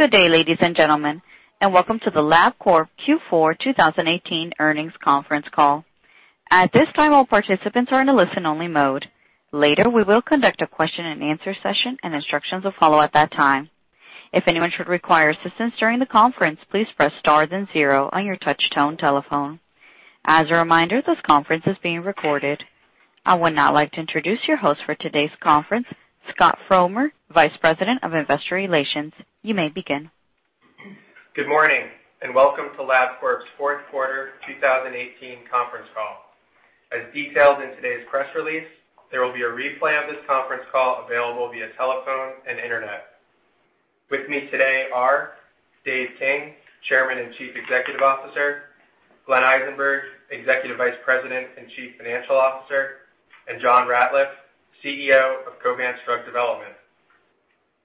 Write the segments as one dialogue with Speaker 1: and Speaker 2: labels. Speaker 1: Good day, ladies and gentlemen. Welcome to the Labcorp Q4 2018 earnings conference call. At this time, all participants are in a listen-only mode. Later, we will conduct a question and answer session. Instructions will follow at that time. If anyone should require assistance during the conference, please press star then zero on your touch-tone telephone. As a reminder, this conference is being recorded. I would now like to introduce your host for today's conference, Scott Frommer, Vice President of Investor Relations. You may begin.
Speaker 2: Good morning. Welcome to Labcorp's fourth quarter 2018 conference call. As detailed in today's press release, there will be a replay of this conference call available via telephone and internet. With me today are Dave King, Chairman and Chief Executive Officer, Glenn Eisenberg, Executive Vice President and Chief Financial Officer, and John Ratliff, CEO of Covance Drug Development.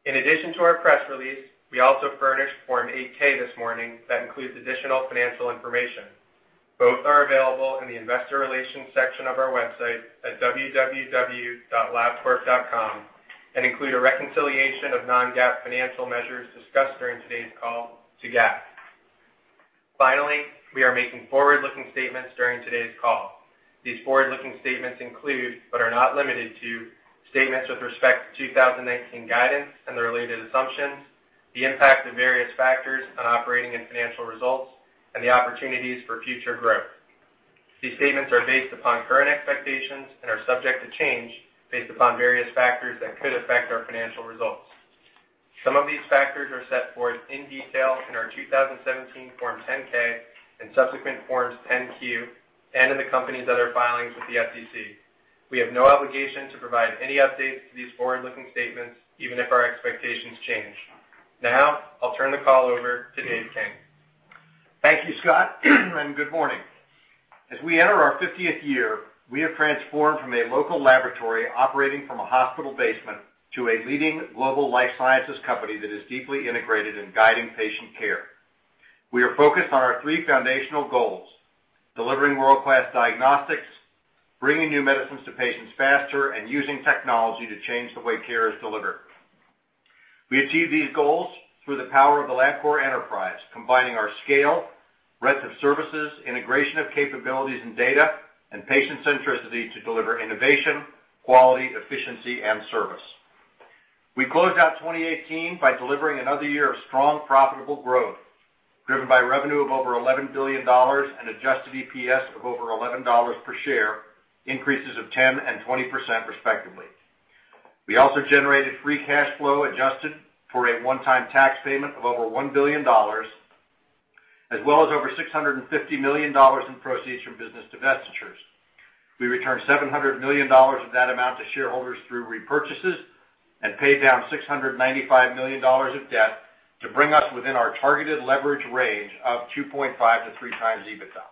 Speaker 2: In addition to our press release, we also furnished Form 8-K this morning that includes additional financial information. Both are available in the investor relations section of our website at labcorp.com and include a reconciliation of non-GAAP financial measures discussed during today's call to GAAP. We are making forward-looking statements during today's call. These forward-looking statements include, but are not limited to, statements with respect to 2019 guidance and their related assumptions, the impact of various factors on operating and financial results, and the opportunities for future growth. These statements are based upon current expectations and are subject to change based upon various factors that could affect our financial results. Some of these factors are set forth in detail in our 2017 Form 10-K and subsequent Forms 10-Q and in the company's other filings with the SEC. We have no obligation to provide any updates to these forward-looking statements even if our expectations change. I'll turn the call over to Dave King.
Speaker 3: Thank you, Scott. Good morning. As we enter our 50th year, we have transformed from a local laboratory operating from a hospital basement to a leading global life sciences company that is deeply integrated in guiding patient care. We are focused on our three foundational goals, delivering world-class diagnostics, bringing new medicines to patients faster, and using technology to change the way care is delivered. We achieve these goals through the power of the Labcorp enterprise, combining our scale, breadth of services, integration of capabilities and data, and patient centricity to deliver innovation, quality, efficiency, and service. We closed out 2018 by delivering another year of strong, profitable growth, driven by revenue of over $11 billion and adjusted EPS of over $11 per share, increases of 10% and 20% respectively. We also generated free cash flow adjusted for a one-time tax payment of over $1 billion, as well as over $650 million in proceeds from business divestitures. We returned $700 million of that amount to shareholders through repurchases and paid down $695 million of debt to bring us within our targeted leverage range of 2.5x to 3x EBITDA.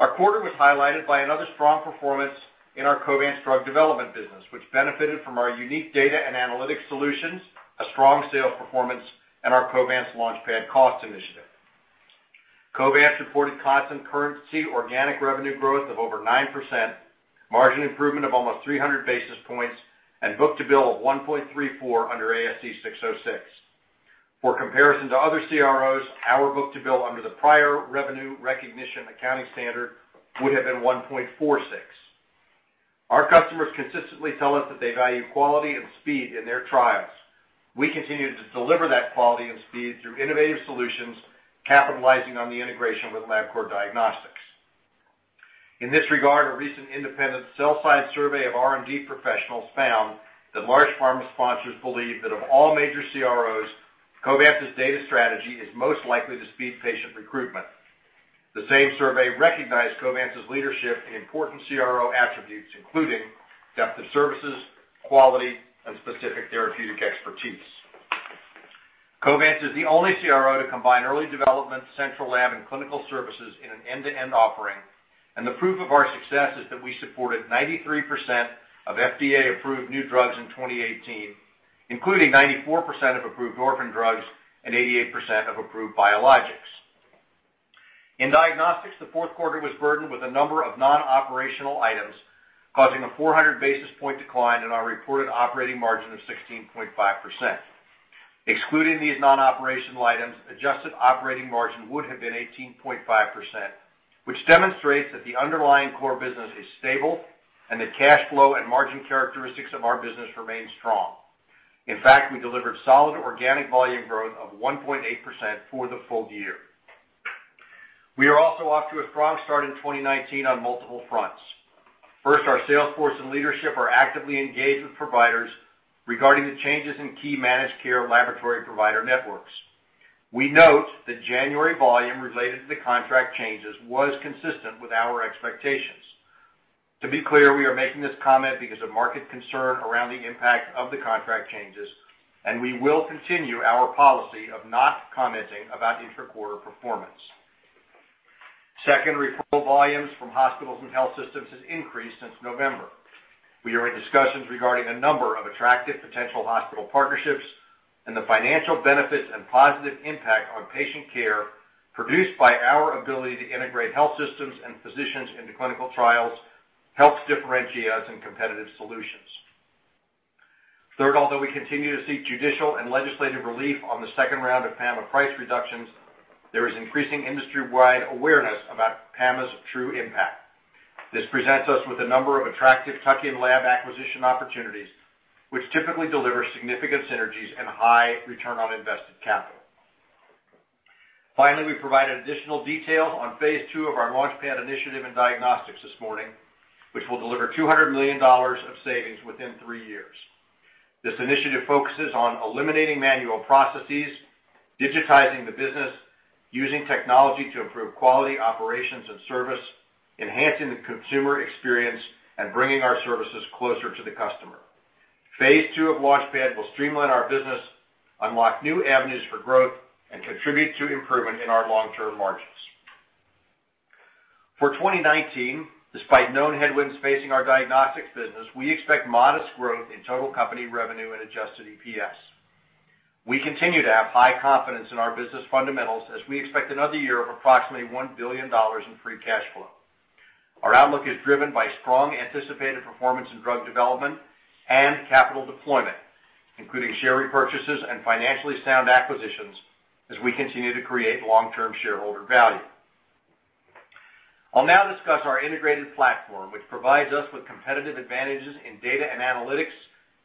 Speaker 3: Our quarter was highlighted by another strong performance in our Covance Drug Development business, which benefited from our unique data and analytic solutions, a strong sales performance, and our Covance LaunchPad Cost initiative. Covance reported constant currency organic revenue growth of over 9%, margin improvement of almost 300 basis points, and book-to-bill of 1.34x under ASC 606. For comparison to other CROs, our book-to-bill under the prior revenue recognition accounting standard would have been 1.46x. Our customers consistently tell us that they value quality and speed in their trials. We continue to deliver that quality and speed through innovative solutions, capitalizing on the integration with Labcorp Diagnostics. In this regard, a recent independent cell site survey of R&D professionals found that large pharma sponsors believe that of all major CROs, Covance's data strategy is most likely to speed patient recruitment. The same survey recognized Covance's leadership in important CRO attributes, including depth of services, quality, and specific therapeutic expertise. Covance is the only CRO to combine early development, central lab, and clinical services in an end-to-end offering. The proof of our success is that we supported 93% of FDA-approved new drugs in 2018, including 94% of approved orphan drugs and 88% of approved biologics. In diagnostics, the fourth quarter was burdened with a number of non-operational items, causing a 400-basis point decline in our reported operating margin of 16.5%. Excluding these non-operational items, adjusted operating margin would have been 18.5%, which demonstrates that the underlying core business is stable and the cash flow and margin characteristics of our business remain strong. In fact, we delivered solid organic volume growth of 1.8% for the full year. We are also off to a strong start in 2019 on multiple fronts. First, our sales force and leadership are actively engaged with providers regarding the changes in key managed care laboratory provider networks. We note that January volume related to the contract changes was consistent with our expectations. To be clear, we are making this comment because of market concern around the impact of the contract changes, and we will continue our policy of not commenting about intra-quarter performance. Second, referral volumes from hospitals and health systems has increased since November. We are in discussions regarding a number of attractive potential hospital partnerships and the financial benefits and positive impact on patient care produced by our ability to integrate health systems and physicians into clinical trials. Helps differentiate us in competitive solutions. Third, although we continue to seek judicial and legislative relief on the second round of PAMA price reductions, there is increasing industry-wide awareness about PAMA's true impact. This presents us with a number of attractive tuck-in lab acquisition opportunities, which typically deliver significant synergies and high return on invested capital. Finally, we provided additional detail on phase II of our LaunchPad initiative in diagnostics this morning, which will deliver $200 million of savings within three years. This initiative focuses on eliminating manual processes, digitizing the business, using technology to improve quality operations and service, enhancing the consumer experience, and bringing our services closer to the customer. Phase II of LaunchPad will streamline our business, unlock new avenues for growth, and contribute to improvement in our long-term margins. For 2019, despite known headwinds facing our diagnostics business, we expect modest growth in total company revenue and adjusted EPS. We continue to have high confidence in our business fundamentals as we expect another year of approximately $1 billion in free cash flow. Our outlook is driven by strong anticipated performance in drug development and capital deployment, including share repurchases and financially sound acquisitions as we continue to create long-term shareholder value. I'll now discuss our integrated platform, which provides us with competitive advantages in data and analytics,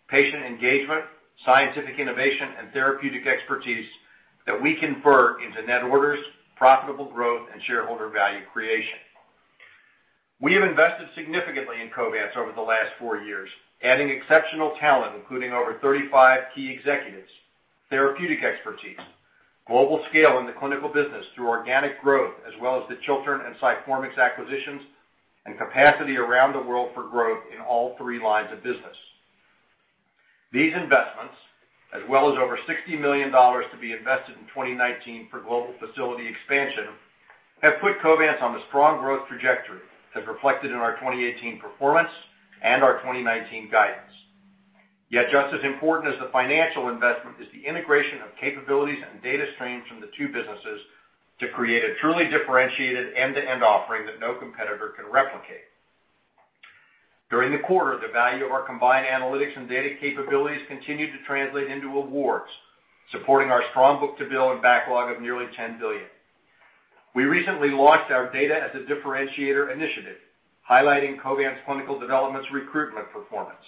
Speaker 3: patient engagement, scientific innovation, and therapeutic expertise that we convert into net orders, profitable growth, and shareholder value creation. We have invested significantly in Covance over the last four years, adding exceptional talent, including over 35 key executives, therapeutic expertise, global scale in the clinical business through organic growth, as well as the Chiltern and Sciformix acquisitions, and capacity around the world for growth in all three lines of business. These investments, as well as over $60 million to be invested in 2019 for global facility expansion, have put Covance on the strong growth trajectory as reflected in our 2018 performance and our 2019 guidance. Just as important as the financial investment is the integration of capabilities and data streams from the two businesses to create a truly differentiated end-to-end offering that no competitor can replicate. During the quarter, the value of our combined analytics and data capabilities continued to translate into awards, supporting our strong book-to-bill and backlog of nearly $10 billion. We recently launched our data as a differentiator initiative, highlighting Covance clinical development's recruitment performance.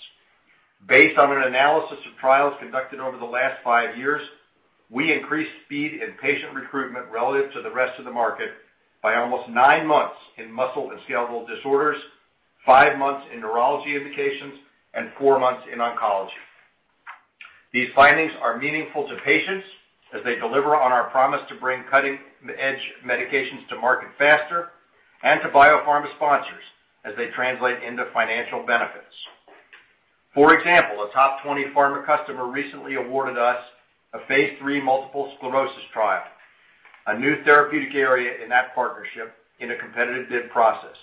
Speaker 3: Based on an analysis of trials conducted over the last five years, we increased speed in patient recruitment relative to the rest of the market by almost nine months in muscle and skeletal disorders, five months in neurology indications, and four months in oncology. These findings are meaningful to patients as they deliver on our promise to bring cutting-edge medications to market faster and to biopharma sponsors as they translate into financial benefits. For example, a top 20 pharma customer recently awarded us a phase III multiple sclerosis trial, a new therapeutic area in that partnership in a competitive bid process.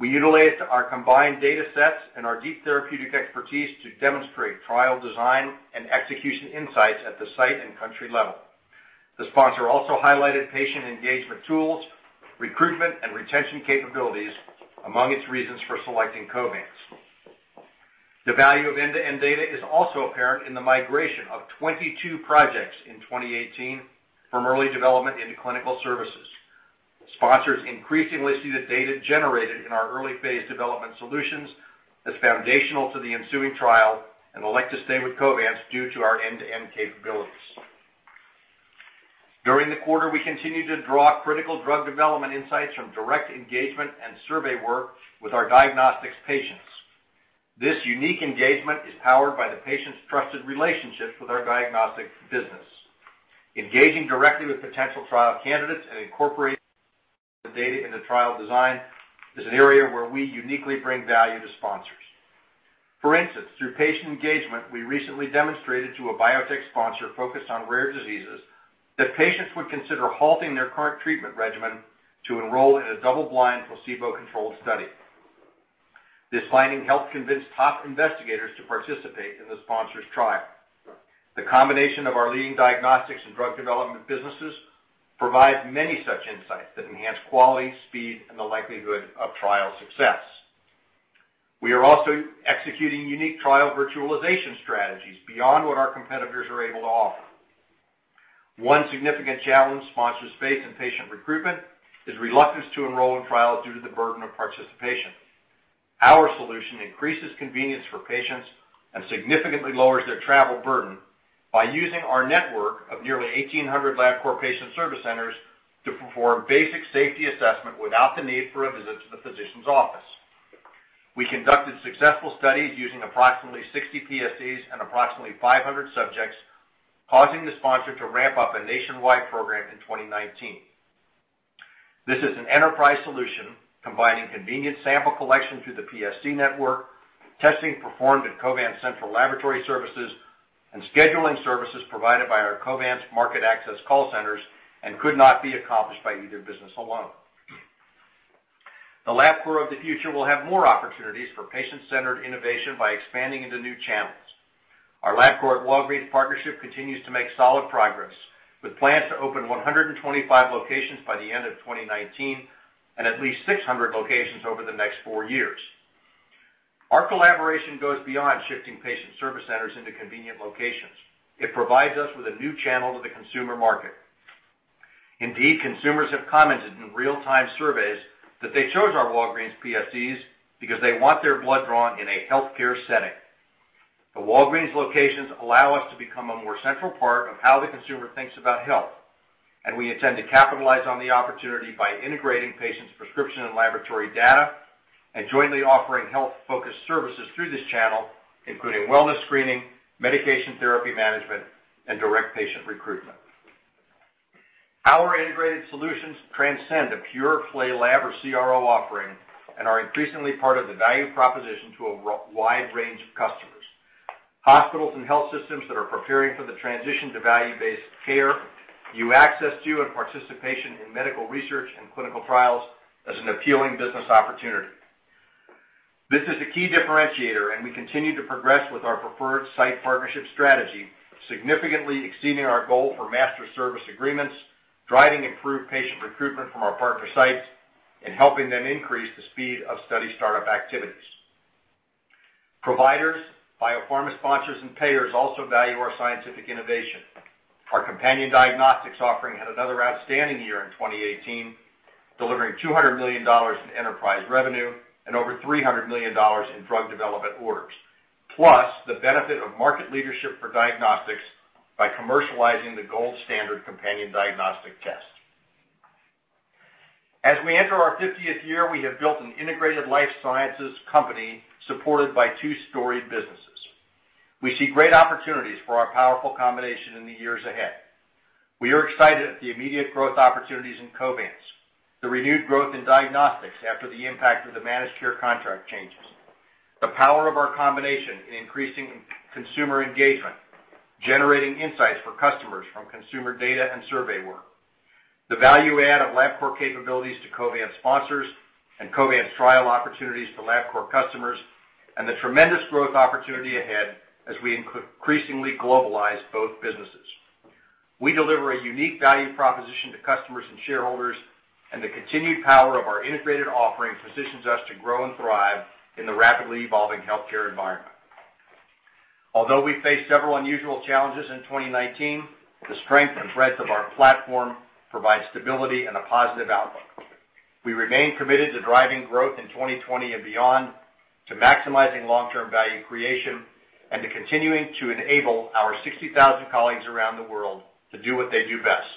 Speaker 3: We utilized our combined data sets and our deep therapeutic expertise to demonstrate trial design and execution insights at the site and country level. The sponsor also highlighted patient engagement tools, recruitment, and retention capabilities among its reasons for selecting Covance. The value of end-to-end data is also apparent in the migration of 22 projects in 2018 from early development into clinical services. Sponsors increasingly see the data generated in our early-phase development solutions as foundational to the ensuing trial and elect to stay with Covance due to our end-to-end capabilities. During the quarter, we continued to draw critical drug development insights from direct engagement and survey work with our diagnostics patients. This unique engagement is powered by the patients' trusted relationships with our diagnostic business. Engaging directly with potential trial candidates and incorporating the data into trial design is an area where we uniquely bring value to sponsors. For instance, through patient engagement, we recently demonstrated to a biotech sponsor focused on rare diseases that patients would consider halting their current treatment regimen to enroll in a double-blind, placebo-controlled study. This finding helped convince top investigators to participate in the sponsor's trial. The combination of our leading diagnostics and drug development businesses provides many such insights that enhance quality, speed, and the likelihood of trial success. We are also executing unique trial virtualization strategies beyond what our competitors are able to offer. One significant challenge sponsors face in patient recruitment is reluctance to enroll in trials due to the burden of participation. Our solution increases convenience for patients and significantly lowers their travel burden by using our network of nearly 1,800 Labcorp patient service centers to perform basic safety assessment without the need for a visit to the physician's office. We conducted successful studies using approximately 60 PSCs and approximately 500 subjects, causing the sponsor to ramp up a nationwide program in 2019. This is an enterprise solution combining convenient sample collection through the PSC network, testing performed at Covance Central Laboratory Services, and scheduling services provided by our Covance market access call centers and could not be accomplished by either business alone. The Labcorp of the future will have more opportunities for patient-centered innovation by expanding into new channels. Our Labcorp Walgreens partnership continues to make solid progress, with plans to open 125 locations by the end of 2019 and at least 600 locations over the next four years. Our collaboration goes beyond shifting patient service centers into convenient locations. It provides us with a new channel to the consumer market. Indeed, consumers have commented in real-time surveys that they chose our Walgreens PSCs because they want their blood drawn in a healthcare setting. The Walgreens locations allow us to become a more central part of how the consumer thinks about health, and we intend to capitalize on the opportunity by integrating patients' prescription and laboratory data and jointly offering health-focused services through this channel, including wellness screening, medication therapy management, and direct patient recruitment. Our integrated solutions transcend a pure play lab or CRO offering and are increasingly part of the value proposition to a wide range of customers. Hospitals and health systems that are preparing for the transition to value-based care view access to and participation in medical research and clinical trials as an appealing business opportunity. This is a key differentiator, and we continue to progress with our preferred site partnership strategy, significantly exceeding our goal for master service agreements, driving improved patient recruitment from our partner sites, and helping them increase the speed of study startup activities. Providers, biopharma sponsors, and payers also value our scientific innovation. Our companion diagnostics offering had another outstanding year in 2018, delivering $200 million in enterprise revenue and over $300 million in drug development orders, plus the benefit of market leadership for diagnostics by commercializing the gold standard companion diagnostic test. As we enter our 50th year, we have built an integrated life sciences company supported by two storied businesses. We see great opportunities for our powerful combination in the years ahead. We are excited at the immediate growth opportunities in Covance, the renewed growth in diagnostics after the impact of the managed care contract changes, the power of our combination in increasing consumer engagement, generating insights for customers from consumer data and survey work, the value add of Labcorp capabilities to Covance sponsors, and Covance trial opportunities for Labcorp customers, and the tremendous growth opportunity ahead as we increasingly globalize both businesses. We deliver a unique value proposition to customers and shareholders, and the continued power of our integrated offerings positions us to grow and thrive in the rapidly evolving healthcare environment. Although we face several unusual challenges in 2019, the strength and breadth of our platform provide stability and a positive outlook. We remain committed to driving growth in 2020 and beyond, to maximizing long-term value creation, and to continuing to enable our 60,000 colleagues around the world to do what they do best,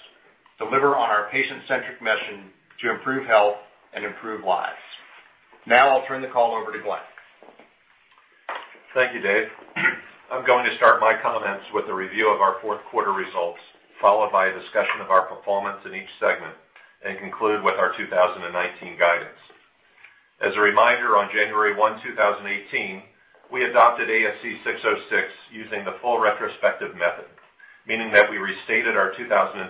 Speaker 3: deliver on our patient-centric mission to improve health and improve lives. Now I'll turn the call over to Glenn.
Speaker 4: Thank you, Dave. I'm going to start my comments with a review of our fourth quarter results, followed by a discussion of our performance in each segment and conclude with our 2019 guidance. As a reminder, on January 1, 2018, we adopted ASC 606 using the full retrospective method, meaning that we restated our 2017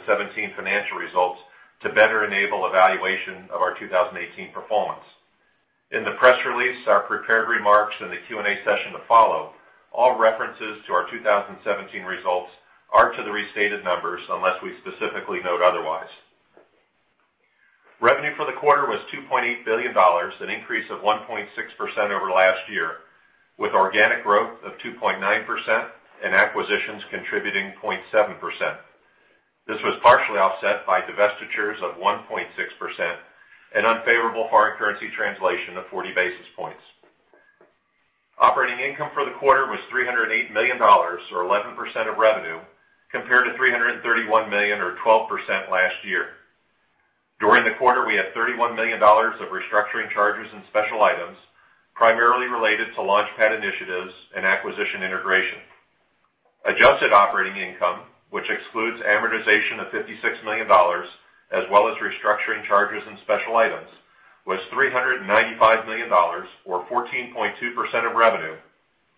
Speaker 4: financial results to better enable evaluation of our 2018 performance. In the press release, our prepared remarks in the Q&A session to follow, all references to our 2017 results are to the restated numbers unless we specifically note otherwise. Revenue for the quarter was $2.8 billion, an increase of 1.6% over last year, with organic growth of 2.9% and acquisitions contributing 0.7%. This was partially offset by divestitures of 1.6% and unfavorable foreign currency translation of 40 basis points. Operating income for the quarter was $308 million, or 11% of revenue, compared to $331 million or 12% last year. During the quarter, we had $31 million of restructuring charges and special items, primarily related to LaunchPad initiatives and acquisition integration. Adjusted operating income, which excludes amortization of $56 million, as well as restructuring charges and special items, was $395 million, or 14.2% of revenue,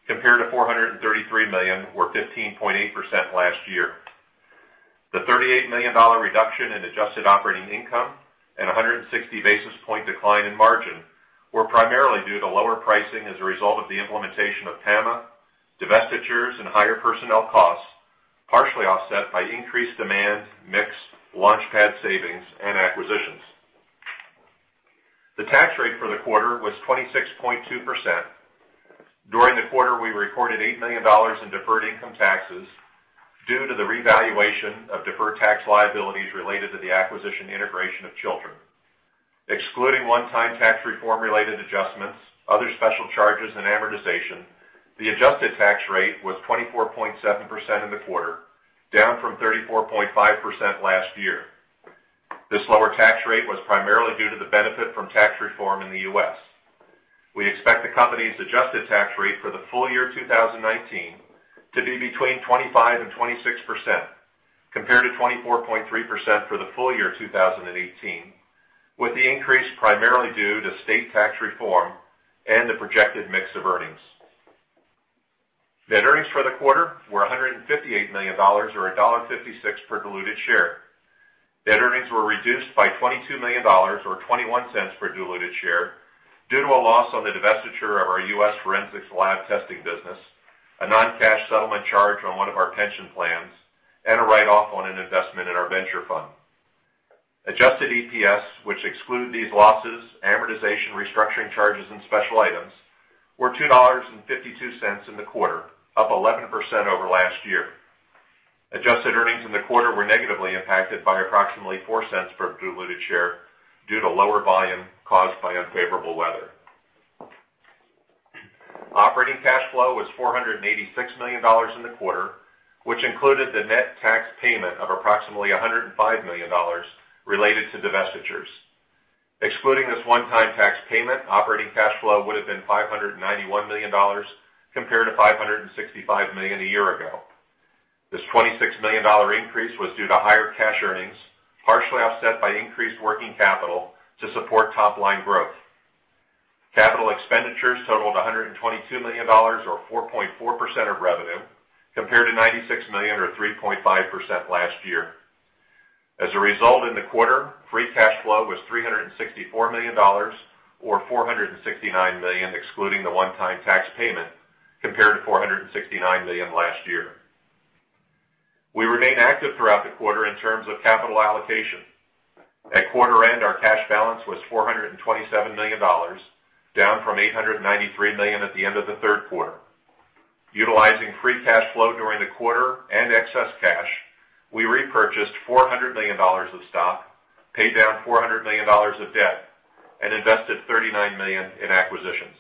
Speaker 4: compared to $433 million, or 15.8%, last year. The $38 million reduction in adjusted operating income and 160 basis point decline in margin were primarily due to lower pricing as a result of the implementation of PAMA, divestitures and higher personnel costs, partially offset by increased demand, mix, LaunchPad savings, and acquisitions. The tax rate for the quarter was 26.2%. During the quarter, we recorded $8 million in deferred income taxes due to the revaluation of deferred tax liabilities related to the acquisition integration of Chiltern. Excluding one-time tax reform related adjustments, other special charges, and amortization, the adjusted tax rate was 24.7% in the quarter, down from 34.5% last year. This lower tax rate was primarily due to the benefit from tax reform in the U.S. We expect the company's adjusted tax rate for the full year 2019 to be between 25% and 26%, compared to 24.3% for the full year 2018, with the increase primarily due to state tax reform and the projected mix of earnings. Net earnings for the quarter were $158 million, or $1.56 per diluted share. Net earnings were reduced by $22 million, or $0.21 per diluted share, due to a loss on the divestiture of our U.S. forensics lab testing business, a non-cash settlement charge on one of our pension plans, and a write-off on an investment in our venture fund. Adjusted EPS, which exclude these losses, amortization, restructuring charges, and special items, were $2.52 in the quarter, up 11% over last year. Adjusted earnings in the quarter were negatively impacted by approximately $0.04 per diluted share due to lower volume caused by unfavorable weather. Operating cash flow was $486 million in the quarter, which included the net tax payment of approximately $105 million related to divestitures. Excluding this one-time tax payment, operating cash flow would've been $591 million, compared to $565 million a year ago. This $26 million increase was due to higher cash earnings, partially offset by increased working capital to support top-line growth. Capital expenditures totaled $122 million, or 4.4% of revenue, compared to $96 million, or 3.5%, last year. As a result, in the quarter, free cash flow was $364 million, or $469 million, excluding the one-time tax payment, compared to $469 million last year. We remain active throughout the quarter in terms of capital allocation. At quarter end, our cash balance was $427 million, down from $893 million at the end of the third quarter. Utilizing free cash flow during the quarter and excess cash, we repurchased $400 million of stock, paid down $400 million of debt, and invested $39 million in acquisitions.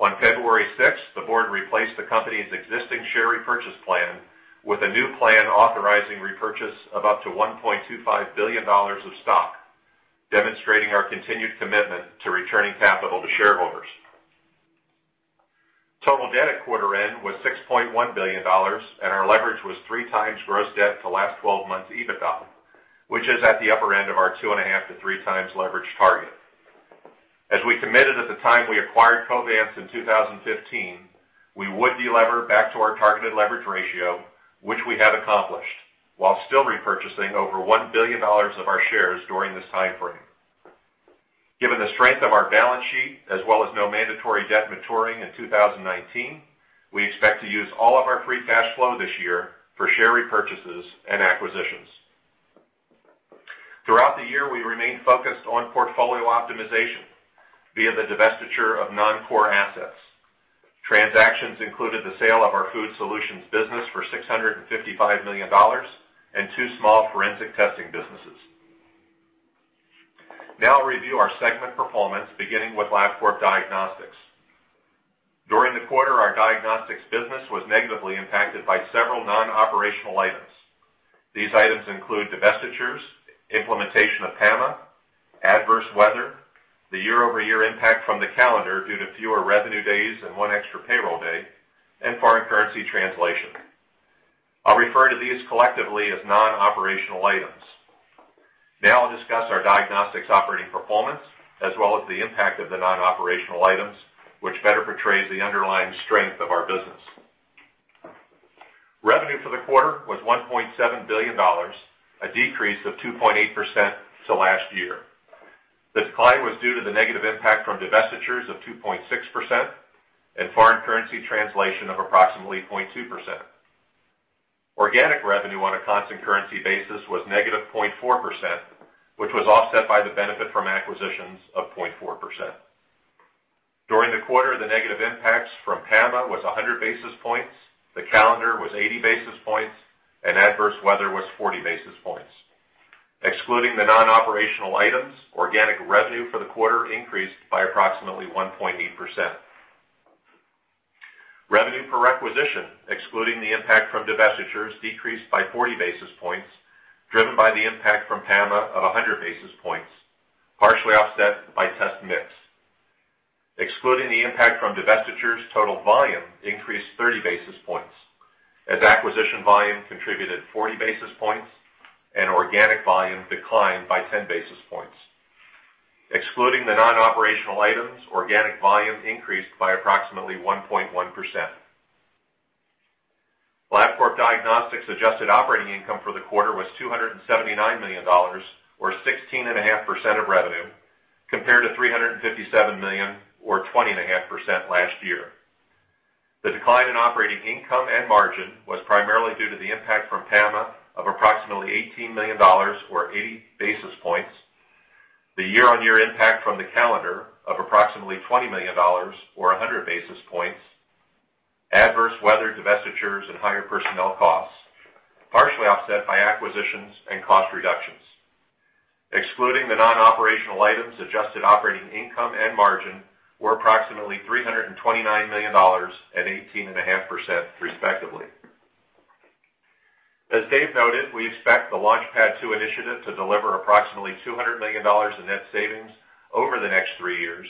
Speaker 4: On February 6th, the board replaced the company's existing share repurchase plan with a new plan authorizing repurchase of up to $1.25 billion of stock, demonstrating our continued commitment to returning capital to shareholders. Total debt at quarter end was $6.1 billion, and our leverage was 3x gross debt to last 12 months EBITDA, which is at the upper end of our 2.5x to 3x leverage target. As we committed at the time we acquired Covance in 2015, we would delever back to our targeted leverage ratio, which we have accomplished, while still repurchasing over $1 billion of our shares during this time frame. Given the strength of our balance sheet, as well as no mandatory debt maturing in 2019, we expect to use all of our free cash flow this year for share repurchases and acquisitions. Throughout the year, we remained focused on portfolio optimization via the divestiture of non-core assets. Transactions included the sale of our Covance Food Solutions business for $655 million and two small forensic testing businesses. I'll review our segment performance, beginning with Labcorp Diagnostics. During the quarter, our diagnostics business was negatively impacted by several non-operational items. These items include divestitures, implementation of PAMA, adverse weather, the year-over-year impact from the calendar due to fewer revenue days and one extra payroll day, and foreign currency translation. I'll refer to these collectively as non-operational items. I'll discuss our diagnostics operating performance, as well as the impact of the non-operational items, which better portrays the underlying strength of our business. Revenue for the quarter was $1.7 billion, a decrease of 2.8% to last year. This decline was due to the negative impact from divestitures of 2.6% and foreign currency translation of approximately 0.2%. Organic revenue on a constant currency basis was negative 0.4%, which was offset by the benefit from acquisitions of 0.4%. During the quarter, the negative impacts from PAMA was 100 basis points, the calendar was 80 basis points, and adverse weather was 40 basis points. Excluding the non-operational items, organic revenue for the quarter increased by approximately 1.8%. Revenue per requisition, excluding the impact from divestitures, decreased by 40 basis points, driven by the impact from PAMA of 100 basis points, partially offset by test mix. Excluding the impact from divestitures, total volume increased 30 basis points, as acquisition volume contributed 40 basis points and organic volume declined by 10 basis points. Excluding the non-operational items, organic volume increased by approximately 1.1%. Labcorp Diagnostics adjusted operating income for the quarter was $279 million, or 16.5% of revenue, compared to $357 million or 20.5% last year. The decline in operating income and margin was primarily due to the impact from PAMA of approximately $18 million, or 80 basis points, the year-on-year impact from the calendar of approximately $20 million, or 100 basis points, adverse weather, divestitures, and higher personnel costs, partially offset by acquisitions and cost reductions. Excluding the non-operational items, adjusted operating income and margin were approximately $329 million and 18.5% respectively. As Dave noted, we expect the LaunchPad two initiative to deliver approximately $200 million in net savings over the next three years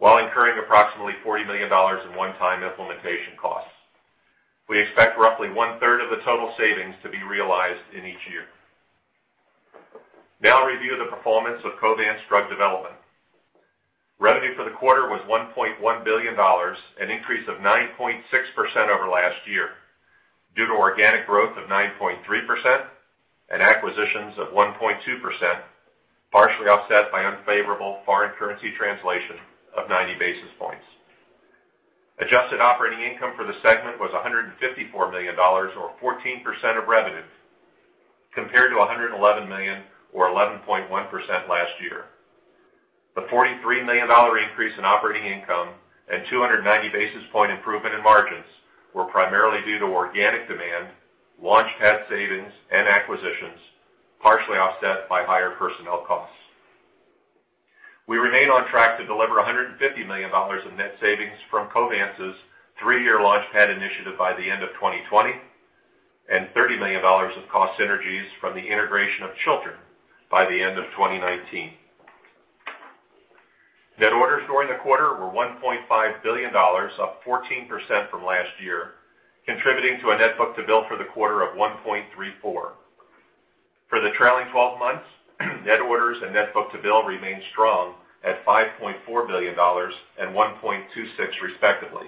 Speaker 4: while incurring approximately $40 million in one-time implementation costs. We expect roughly one-third of the total savings to be realized in each year. I'll review the performance of Covance Drug Development. Revenue for the quarter was $1.1 billion, an increase of 9.6% over last year, due to organic growth of 9.3% and acquisitions of 1.2%, partially offset by unfavorable foreign currency translation of 90 basis points. Adjusted operating income for the segment was $154 million or 14% of revenue, compared to $111 million or 11.1% last year. The $43 million increase in operating income and 290 basis point improvement in margins were primarily due to organic demand, LaunchPad savings and acquisitions, partially offset by higher personnel costs. We remain on track to deliver $150 million in net savings from Covance's three-year LaunchPad initiative by the end of 2020, and $30 million of cost synergies from the integration of Chiltern by the end of 2019. Net orders during the quarter were $1.5 billion, up 14% from last year, contributing to a net book to bill for the quarter of 1.34x. For the trailing 12 months, net orders and net book to bill remained strong at $5.4 billion and 1.26x respectively.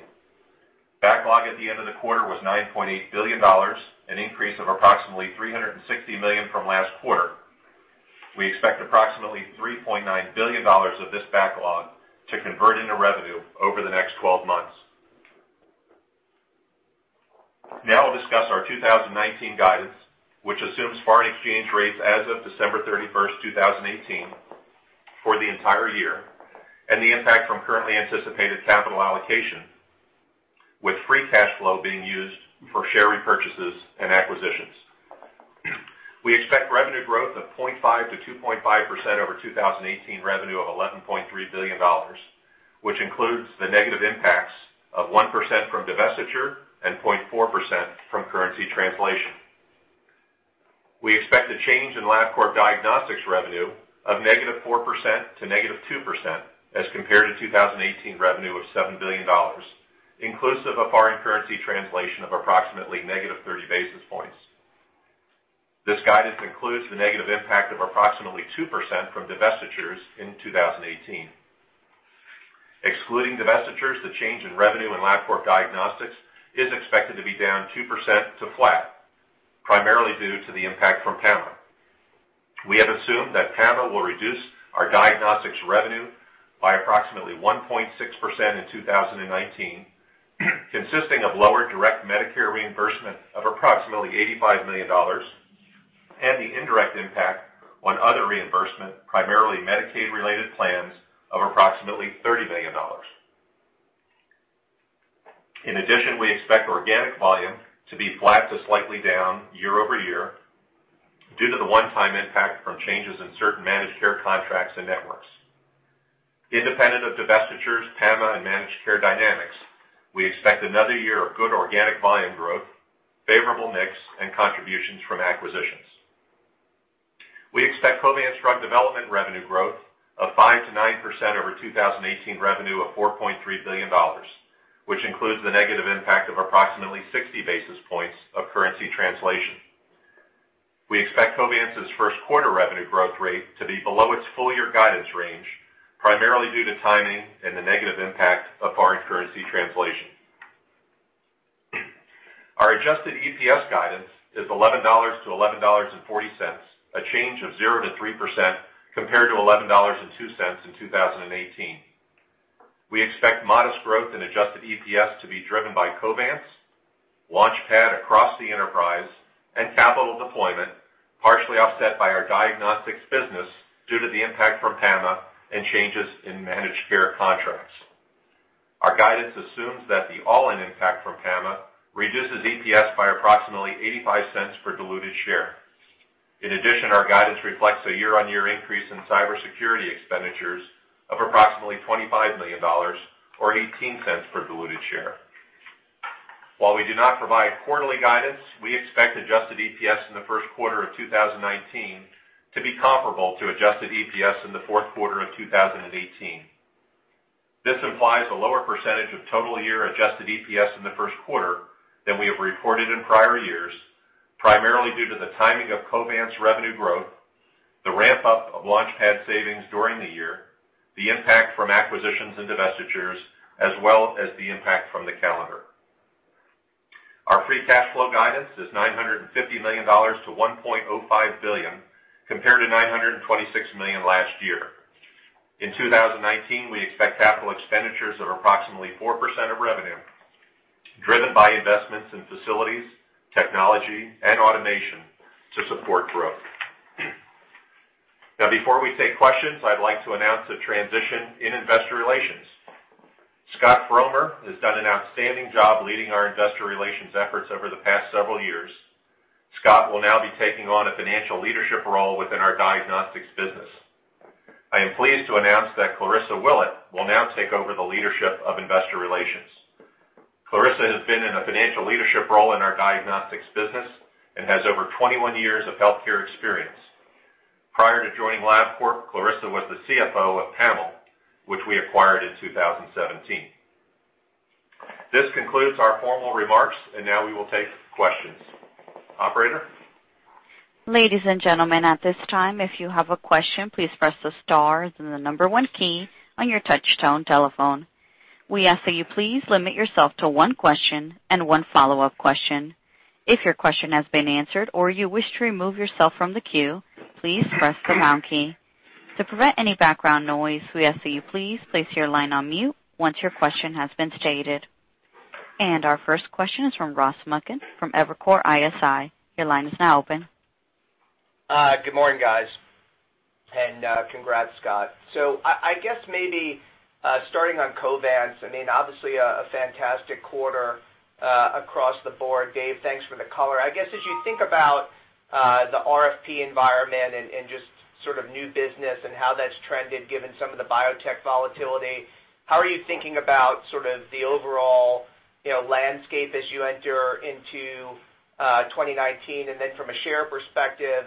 Speaker 4: Backlog at the end of the quarter was $9.8 billion, an increase of approximately $360 million from last quarter. We expect approximately $3.9 billion of this backlog to convert into revenue over the next 12 months. I'll discuss our 2019 guidance, which assumes foreign exchange rates as of December 31st, 2018, for the entire year, and the impact from currently anticipated capital allocation, with free cash flow being used for share repurchases and acquisitions. We expect revenue growth of 0.5%-2.5% over 2018 revenue of $11.3 billion, which includes the negative impacts of 1% from divestiture and 0.4% from currency translation. We expect a change in Labcorp Diagnostics revenue of -4% to -2%, as compared to 2018 revenue of $7 billion, inclusive of foreign currency translation of approximately -30 basis points. This guidance includes the negative impact of approximately 2% from divestitures in 2018. Excluding divestitures, the change in revenue and Labcorp Diagnostics is expected to be down 2% to flat, primarily due to the impact from PAMA. We have assumed that PAMA will reduce our diagnostics revenue by approximately 1.6% in 2019, consisting of lower direct Medicare reimbursement of approximately $85 million, and the indirect impact on other reimbursement, primarily Medicaid-related plans of approximately $30 million. In addition, we expect organic volume to be flat to slightly down year-over-year, due to the one-time impact from changes in certain managed care contracts and networks. Independent of divestitures, PAMA and managed care dynamics, we expect another year of good organic volume growth, favorable mix, and contributions from acquisitions. We expect Covance Drug Development revenue growth of 5%-9% over 2018 revenue of $4.3 billion, which includes the negative impact of approximately 60 basis points of currency translation. We expect Covance's first quarter revenue growth rate to be below its full-year guidance range, primarily due to timing and the negative impact of foreign currency translation. Our adjusted EPS guidance is $11-$11.40, a change of 0%-3% compared to $11.02 in 2018. We expect modest growth in adjusted EPS to be driven by Covance, LaunchPad across the enterprise, and capital deployment, partially offset by our diagnostics business due to the impact from PAMA and changes in managed care contracts. Our guidance assumes that the all-in impact from PAMA reduces EPS by approximately $0.85 per diluted share. In addition, our guidance reflects a year-on-year increase in cybersecurity expenditures of approximately $25 million, or $0.18 per diluted share. While we do not provide quarterly guidance, we expect adjusted EPS in the first quarter of 2019 to be comparable to adjusted EPS in the fourth quarter of 2018. This implies a lower percentage of total year-adjusted EPS in the first quarter than we have reported in prior years, primarily due to the timing of Covance revenue growth, the ramp-up of LaunchPad savings during the year, the impact from acquisitions and divestitures, as well as the impact from the calendar. Our free cash flow guidance is $950 million to $1.05 billion, compared to $926 million last year. In 2019, we expect capital expenditures of approximately 4% of revenue, driven by investments in facilities, technology, and automation to support growth. Before we take questions, I'd like to announce a transition in investor relations. Scott Frommer has done an outstanding job leading our investor relations efforts over the past several years. Scott will now be taking on a financial leadership role within our diagnostics business. I am pleased to announce that Clarissa Willett will now take over the leadership of investor relations. Clarissa has been in a financial leadership role in our diagnostics business and has over 21 years of healthcare experience. Prior to joining Labcorp, Clarissa was the CFO of PAML, which we acquired in 2017. This concludes our formal remarks. Now we will take questions. Operator?
Speaker 1: Ladies and gentlemen, at this time, if you have a question, please press the star then the number one key on your touchtone telephone. We ask that you please limit yourself to one question and one follow-up question. If your question has been answered or you wish to remove yourself from the queue, please press the pound key. To prevent any background noise, we ask that you please place your line on mute once your question has been stated. Our first question is from Ross Muken, from Evercore ISI. Your line is now open.
Speaker 5: Good morning, guys. Congrats, Scott. I guess maybe starting on Covance, obviously a fantastic quarter across the board. Dave, thanks for the color. As you think about the RFP environment and just sort of new business and how that's trended, given some of the biotech volatility, how are you thinking about the overall landscape as you enter into 2019? Then from a share perspective,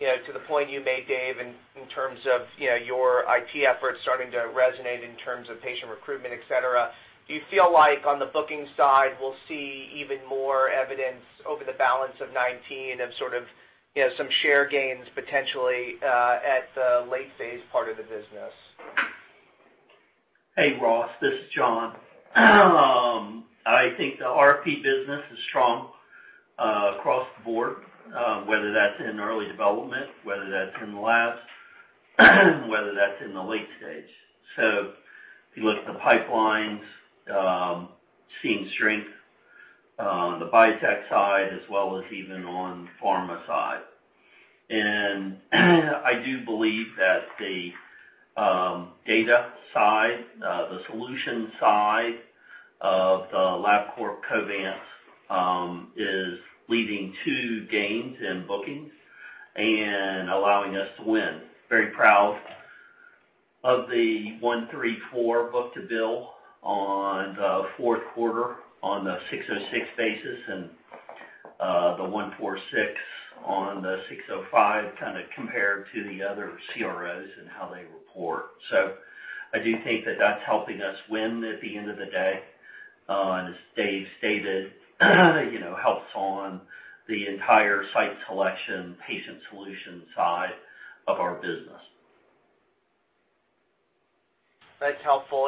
Speaker 5: to the point you made, Dave, in terms of your IT efforts starting to resonate in terms of patient recruitment, et cetera, do you feel like on the booking side, we'll see even more evidence over the balance of 2019 of some share gains potentially at the late-phase part of the business?
Speaker 6: Ross, this is John. I think the RFP business is strong across the board, whether that's in early development, whether that's in the labs, whether that's in the late stage. If you look at the pipelines, seeing strength on the biotech side as well as even on the pharma side. I do believe that the data side, the solution side of the Labcorp-Covance is leading to gains in bookings and allowing us to win. Very proud of the 1.34x book-to-bill on the fourth quarter on the 606 basis, and the 1.46x on the 605 compared to the other CROs and how they report. I do think that that's helping us win at the end of the day. As Dave stated, helps on the entire site selection, patient solution side of our business.
Speaker 5: That's helpful.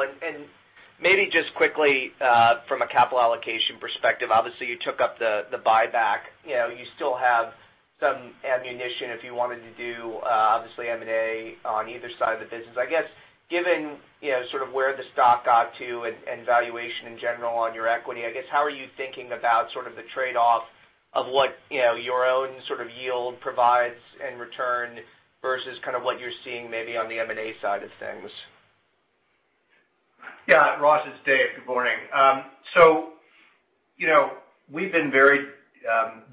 Speaker 5: Maybe just quickly, from a capital allocation perspective, obviously you took up the buyback. You still have some ammunition if you wanted to do, obviously M&A on either side of the business. Given where the stock got to and valuation in general on your equity, how are you thinking about the trade-off of what your own yield provides in return versus what you're seeing maybe on the M&A side of things?
Speaker 3: Ross, it's Dave. Good morning. We've been very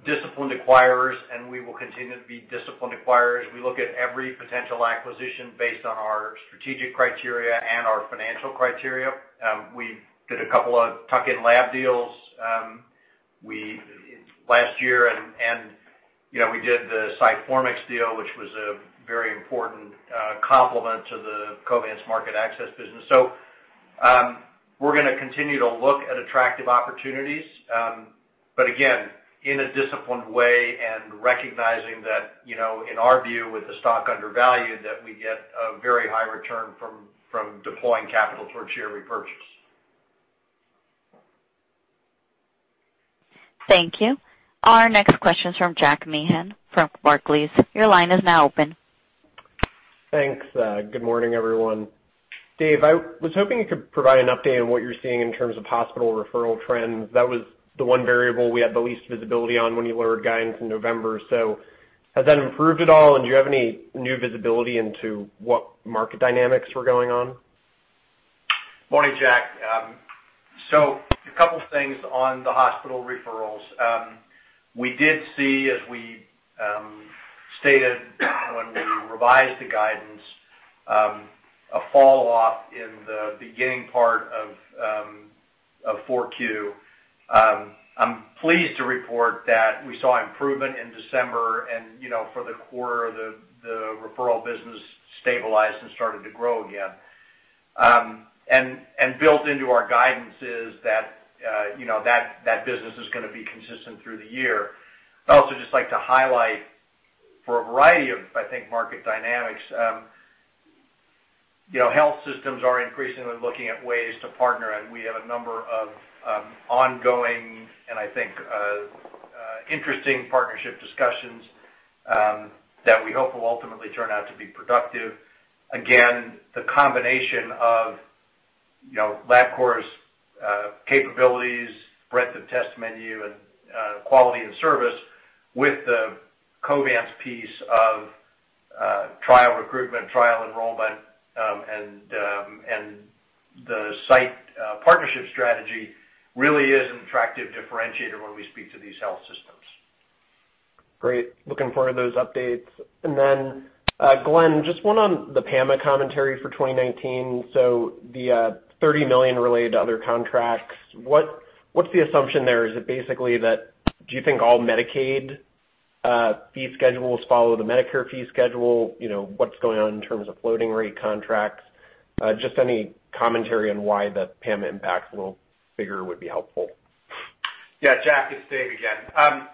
Speaker 3: disciplined acquirers, and we will continue to be disciplined acquirers. We look at every potential acquisition based on our strategic criteria and our financial criteria. We did a couple of tuck-in lab deals last year, and we did the Sciformix deal, which was a very important complement to the Covance market access business. We're going to continue to look at attractive opportunities. Again, in a disciplined way and recognizing that, in our view, with the stock undervalued, that we get a very high return from deploying capital towards share repurchase.
Speaker 1: Thank you. Our next question is from Jack Meehan from Barclays. Your line is now open.
Speaker 7: Thanks. Good morning, everyone. Dave, I was hoping you could provide an update on what you're seeing in terms of hospital referral trends. That was the one variable we had the least visibility on when you lowered guidance in November. Has that improved at all, and do you have any new visibility into what market dynamics were going on?
Speaker 3: Morning, Jack. A couple things on the hospital referrals. We did see, as we stated when we revised the guidance, a fall off in the beginning part of 4Q. I'm pleased to report that we saw improvement in December and for the quarter, the referral business stabilized and started to grow again. Built into our guidance is that that business is going to be consistent through the year. I'd also just like to highlight for a variety of, I think, market dynamics. Health systems are increasingly looking at ways to partner, and we have a number of ongoing and I think interesting partnership discussions that we hope will ultimately turn out to be productive. Again, the combination of Labcorp's capabilities, breadth of test menu, and quality and service with the Covance piece of trial recruitment, trial enrollment, and the site partnership strategy really is an attractive differentiator when we speak to these health systems.
Speaker 7: Great. Looking forward to those updates. Glenn, just one on the PAMA commentary for 2019. The $30 million related to other contracts, what's the assumption there? Is it basically that do you think all Medicaid fee schedules follow the Medicare fee schedule, what's going on in terms of floating rate contracts? Just any commentary on why the PAMA impact's a little bigger would be helpful.
Speaker 3: Yeah, Jack, it's Dave again.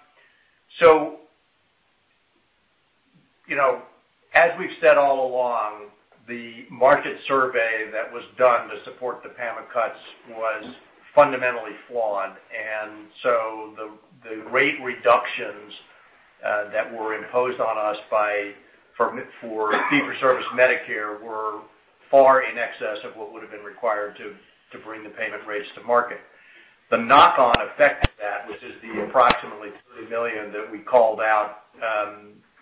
Speaker 3: As we've said all along, the market survey that was done to support the PAMA cuts was fundamentally flawed. The rate reductions that were imposed on us for fee-for-service Medicare were far in excess of what would've been required to bring the payment rates to market. The knock-on effect of that, which is the approximately $3 million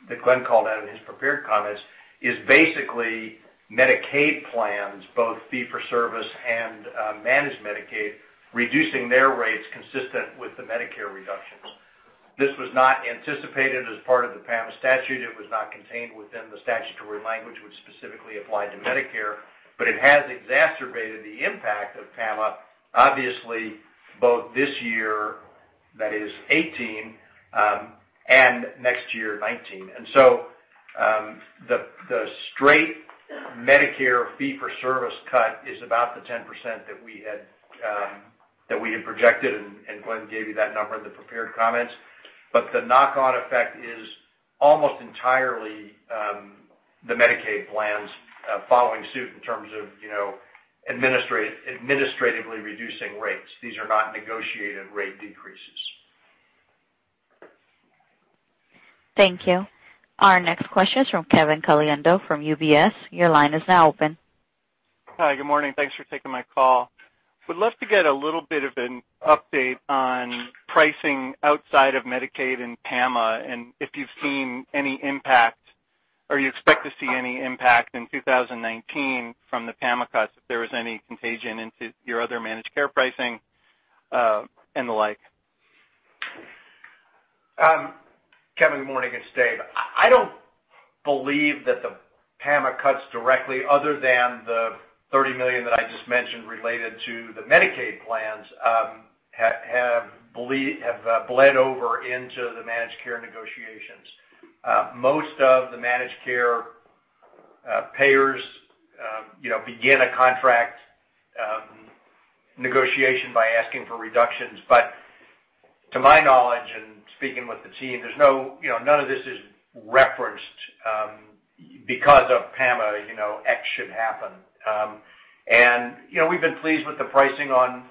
Speaker 3: that Glenn called out in his prepared comments, is basically Medicaid plans, both fee-for-service and managed Medicaid, reducing their rates consistent with the Medicare reductions. This was not anticipated as part of the PAMA statute. It was not contained within the statutory language, which specifically applied to Medicare, but it has exacerbated the impact of PAMA, obviously, both this year, that is 2018, and next year, 2019. The straight Medicare fee-for-service cut is about the 10% that we had projected, and Glenn gave you that number in the prepared comments. The knock-on effect is almost entirely the Medicaid plans following suit in terms of administratively reducing rates. These are not negotiated rate decreases.
Speaker 1: Thank you. Our next question is from Kevin Caliendo from UBS. Your line is now open.
Speaker 8: Hi, good morning. Thanks for taking my call. Would love to get a little bit of an update on pricing outside of Medicaid and PAMA, and if you've seen any impact, or you expect to see any impact in 2019 from the PAMA cuts, if there was any contagion into your other managed care pricing, and the like.
Speaker 3: Kevin, good morning. It's Dave. I don't believe that the PAMA cuts directly, other than the $30 million that I just mentioned related to the Medicaid plans, have bled over into the managed care negotiations. Most of the managed care payers begin a contract negotiation by asking for reductions. To my knowledge and speaking with the team, none of this is referenced because of PAMA, X should happen. We've been pleased with the pricing on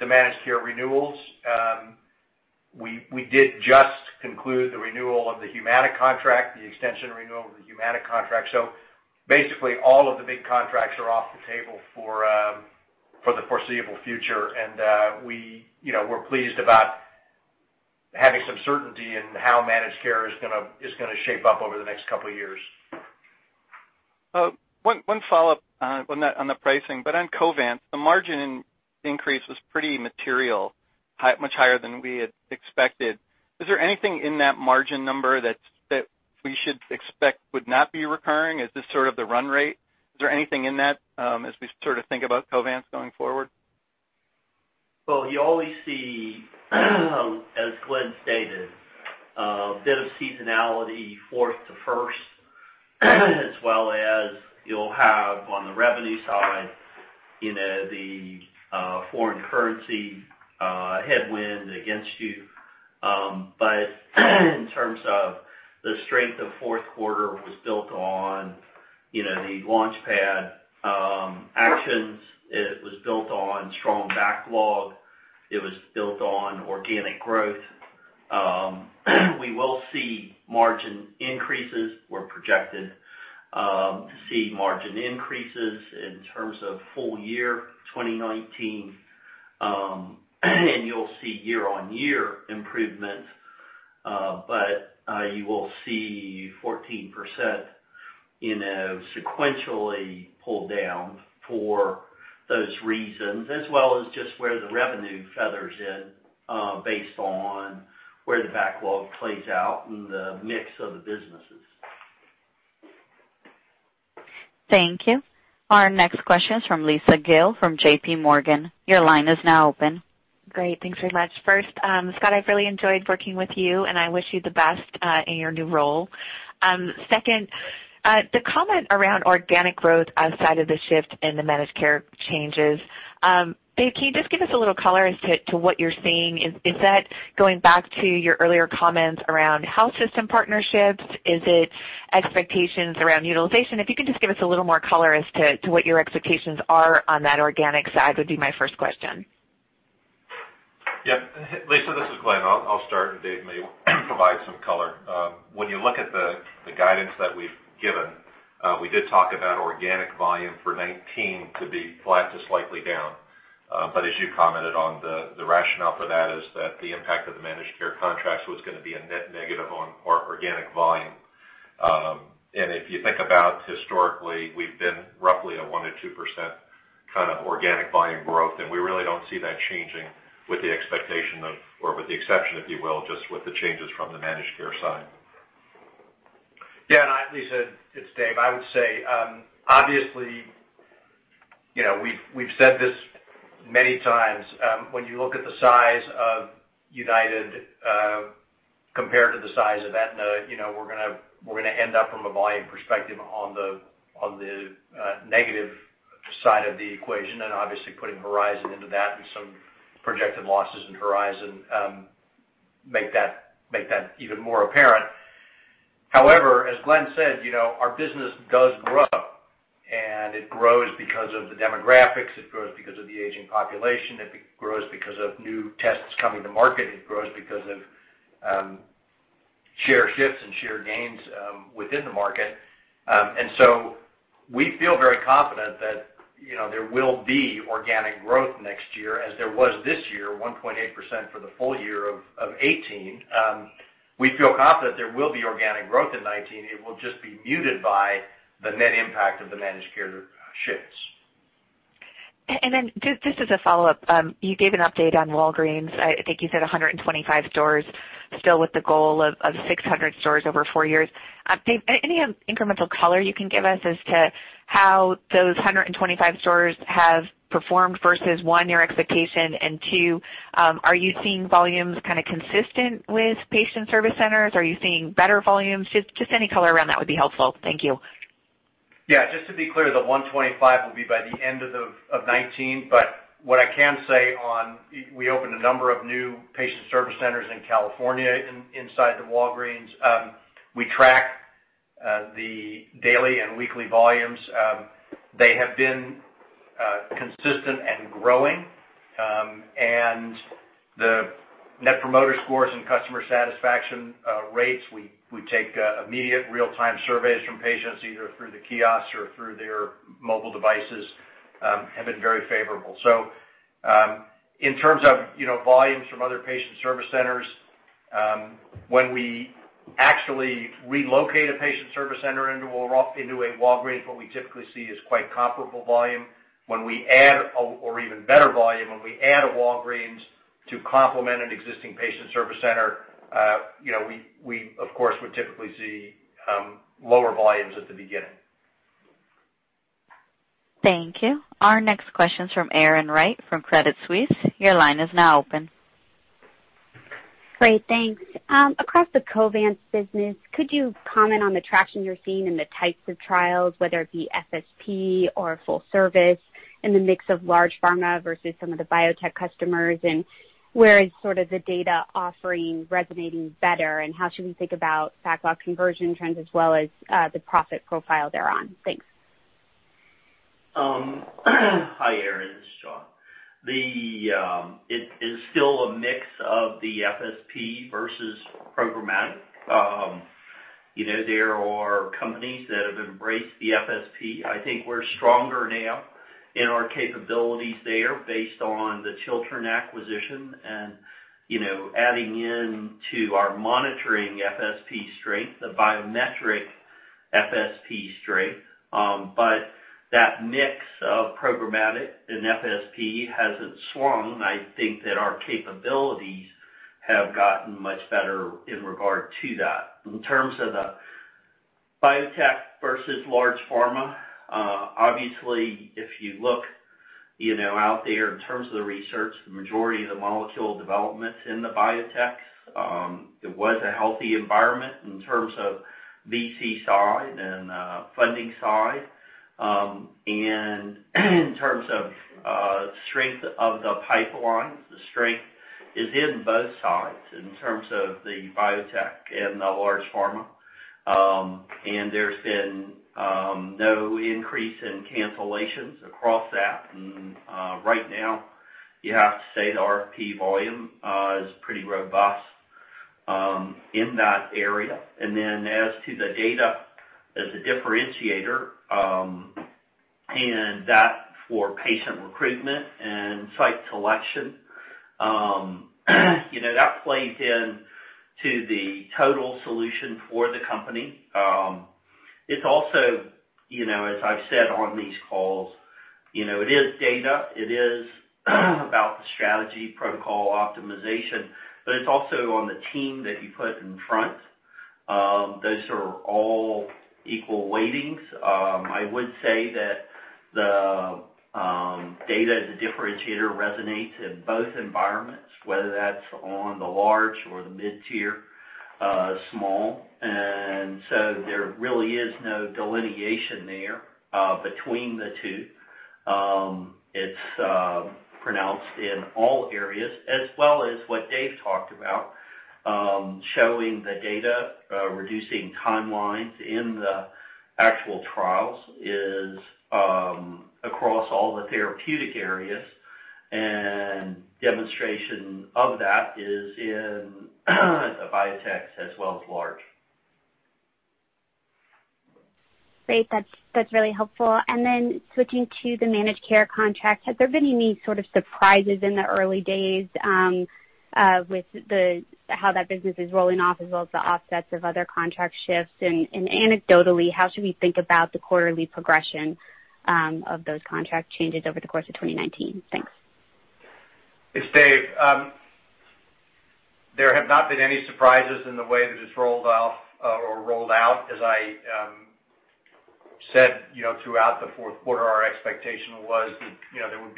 Speaker 3: the managed care renewals. We did just conclude the renewal of the Humana contract, the extension renewal of the Humana contract. Basically, all of the big contracts are off the table for the foreseeable future, and we're pleased about having some certainty in how managed care is going to shape up over the next couple of years.
Speaker 8: One follow-up on the pricing, but on Covance, the margin increase was pretty material, much higher than we had expected. Is there anything in that margin number that we should expect would not be recurring? Is this sort of the run rate? Is there anything in that as we sort of think about Covance going forward?
Speaker 6: Well, you always see as Glenn stated, a bit of seasonality, fourth to first, as well as you'll have on the revenue side, the foreign currency headwind against you. In terms of the strength of fourth quarter was built on the LaunchPad actions. It was built on strong backlog. It was built on organic growth. We will see margin increases. We're projected to see margin increases in terms of full year 2019, and you'll see year-on-year improvement. You will see 14% sequentially pulled down for those reasons, as well as just where the revenue feathers in based on where the backlog plays out and the mix of the businesses.
Speaker 1: Thank you. Our next question is from Lisa Gill from JPMorgan. Your line is now open.
Speaker 9: Great. Thanks very much. First, Scott, I've really enjoyed working with you, and I wish you the best in your new role. Second, the comment around organic growth outside of the shift in the managed care changes. Dave, can you just give us a little color as to what you're seeing? Is that going back to your earlier comments around health system partnerships? Is it expectations around utilization? If you could just give us a little more color as to what your expectations are on that organic side, would be my first question.
Speaker 4: Yeah. Lisa, this is Glenn. I'll start, and Dave may provide some color. When you look at the guidance that we've given, we did talk about organic volume for 2019 to be flat to slightly down. As you commented on, the rationale for that is that the impact of the managed care contracts was going to be a net negative on our organic volume. If you think about historically, we've been roughly a 1%-2% kind of organic volume growth, and we really don't see that changing with the exception, if you will, just with the changes from the managed care side.
Speaker 3: Yeah. Lisa, it's Dave. I would say, obviously, we've said this many times. When you look at the size of United compared to the size of Aetna, we're going to end up from a volume perspective on the negative side of the equation. Obviously putting Horizon into that and some projected losses in Horizon make that even more apparent. However, as Glenn said, our business does grow, and it grows because of the demographics. It grows because of the aging population. It grows because of new tests coming to market. It grows because of share shifts and share gains within the market. So we feel very confident that there will be organic growth next year as there was this year, 1.8% for the full year of 2018. We feel confident there will be organic growth in 2019. It will just be muted by the net impact of the managed care shifts.
Speaker 9: Just as a follow-up, you gave an update on Walgreens. I think you said 125 stores still with the goal of 600 stores over four years. Dave, any incremental color you can give us as to how those 125 stores have performed versus, one, your expectation and two, are you seeing volumes kind of consistent with patient service centers? Are you seeing better volumes? Just any color around that would be helpful. Thank you.
Speaker 3: Yeah. Just to be clear, the 125 will be by the end of 2019. What I can say on, we opened a number of new patient service centers in California inside the Walgreens. We track the daily and weekly volumes. They have been consistent and growing. The net promoter scores and customer satisfaction rates, we take immediate real-time surveys from patients, either through the kiosks or through their mobile devices, have been very favorable. In terms of volumes from other patient service centers, when we actually relocate a patient service center into a Walgreens, what we typically see is quite comparable volume. When we add or even better volume, when we add a Walgreens to complement an existing patient service center, we of course would typically see lower volumes at the beginning.
Speaker 1: Thank you. Our next question is from Erin Wright from Credit Suisse. Your line is now open.
Speaker 10: Great. Thanks. Across the Covance business, could you comment on the traction you're seeing in the types of trials, whether it be FSP or full service, in the mix of large pharma versus some of the biotech customers? Where is sort of the data offering resonating better, and how should we think about backlog conversion trends as well as the profit profile thereon? Thanks.
Speaker 6: Hi, Erin. This is John. It is still a mix of the FSP versus programmatic. There are companies that have embraced the FSP. I think we're stronger now in our capabilities there based on the Chiltern acquisition and adding into our monitoring FSP strength, the biometric FSP strength. That mix of programmatic and FSP hasn't swung. I think that our capabilities have gotten much better in regard to that. In terms of the biotech versus large pharma, obviously, if you look out there in terms of the research, the majority of the molecule development's in the biotech. It was a healthy environment in terms of VC side and funding side. In terms of strength of the pipeline, the strength is in both sides in terms of the biotech and the large pharma. There's been no increase in cancellations across that. Right now, you have to say the RFP volume is pretty robust in that area. Then as to the data as a differentiator, and that for patient recruitment and site selection, that plays into the total solution for the company. It's also, as I've said on these calls, it is data. It is about the strategy protocol optimization, but it's also on the team that you put in front. Those are all equal weightings. I would say that the data as a differentiator resonates in both environments, whether that's on the large or the mid-tier, small. There really is no delineation there between the two. It's pronounced in all areas as well as what Dave talked about, showing the data, reducing timelines in the actual trials is across all the therapeutic areas, and demonstration of that is in the biotechs as well as large.
Speaker 10: Great. That's really helpful. Then switching to the managed care contract, have there been any sort of surprises in the early days with how that business is rolling off as well as the offsets of other contract shifts? Anecdotally, how should we think about the quarterly progression of those contract changes over the course of 2019? Thanks.
Speaker 3: It's Dave. There have not been any surprises in the way that it's rolled off or rolled out. As I said throughout the fourth quarter, our expectation was that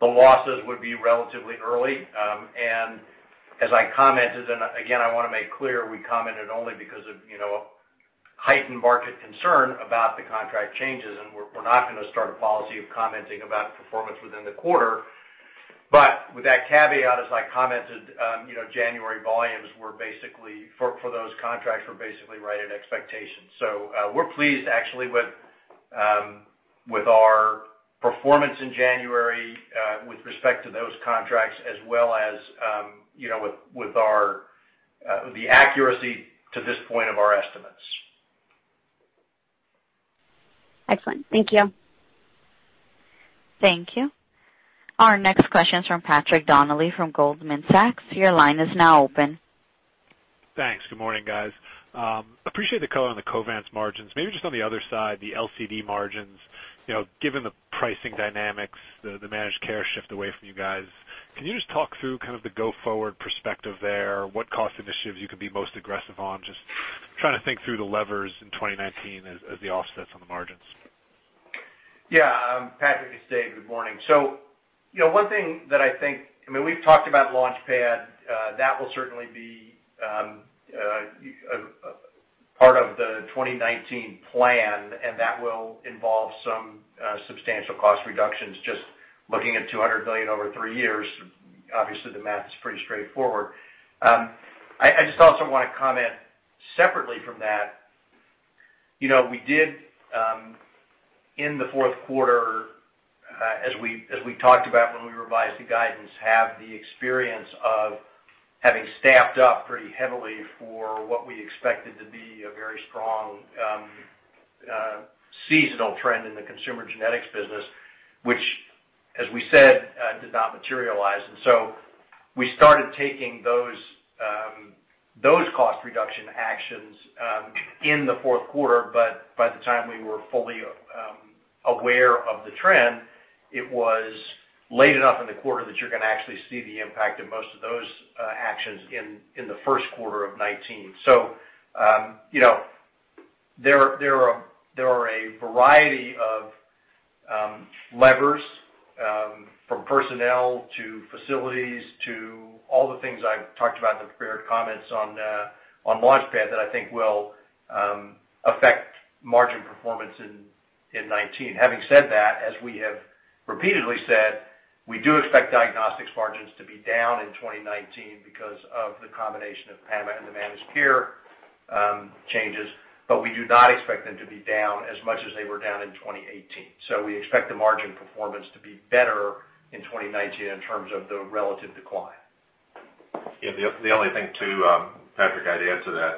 Speaker 3: the losses would be relatively early. As I commented, and again, I want to make clear, we commented only because of heightened market concern about the contract changes, and we're not going to start a policy of commenting about performance within the quarter. With that caveat, as I commented, January volumes for those contracts were basically right at expectations. We're pleased actually with our performance in January with respect to those contracts as well as with the accuracy to this point of our estimates.
Speaker 10: Excellent. Thank you.
Speaker 1: Thank you. Our next question is from Patrick Donnelly from Goldman Sachs. Your line is now open.
Speaker 11: Thanks. Good morning, guys. Appreciate the color on the Covance margins. Maybe just on the other side, the LCD margins, given the pricing dynamics, the managed care shift away from you guys, can you just talk through the go-forward perspective there? What cost initiatives you could be most aggressive on? Just trying to think through the levers in 2019 as the offsets on the margins.
Speaker 3: Yeah. Patrick, it's Dave. Good morning. One thing that I think, we've talked about LaunchPad. That will certainly be part of the 2019 plan, and that will involve some substantial cost reductions. Just looking at $200 million over three years, obviously the math is pretty straightforward. I just also want to comment separately from that. We did, in the fourth quarter, as we talked about when we revised the guidance, have the experience of having staffed up pretty heavily for what we expected to be a very strong seasonal trend in the consumer genetics business, which, as we said, did not materialize. We started taking those cost reduction actions in the fourth quarter, but by the time we were fully aware of the trend, it was late enough in the quarter that you're going to actually see the impact of most of those actions in the first quarter of 2019. There are a variety of levers, from personnel to facilities to all the things I've talked about in the prepared comments on LaunchPad, that I think will affect margin performance in 2019. Having said that, as we have repeatedly said, we do expect Diagnostics margins to be down in 2019 because of the combination of PAMA and the managed care changes, but we do not expect them to be down as much as they were down in 2018. We expect the margin performance to be better in 2019 in terms of the relative decline.
Speaker 4: The only thing, too, Patrick, I'd add to that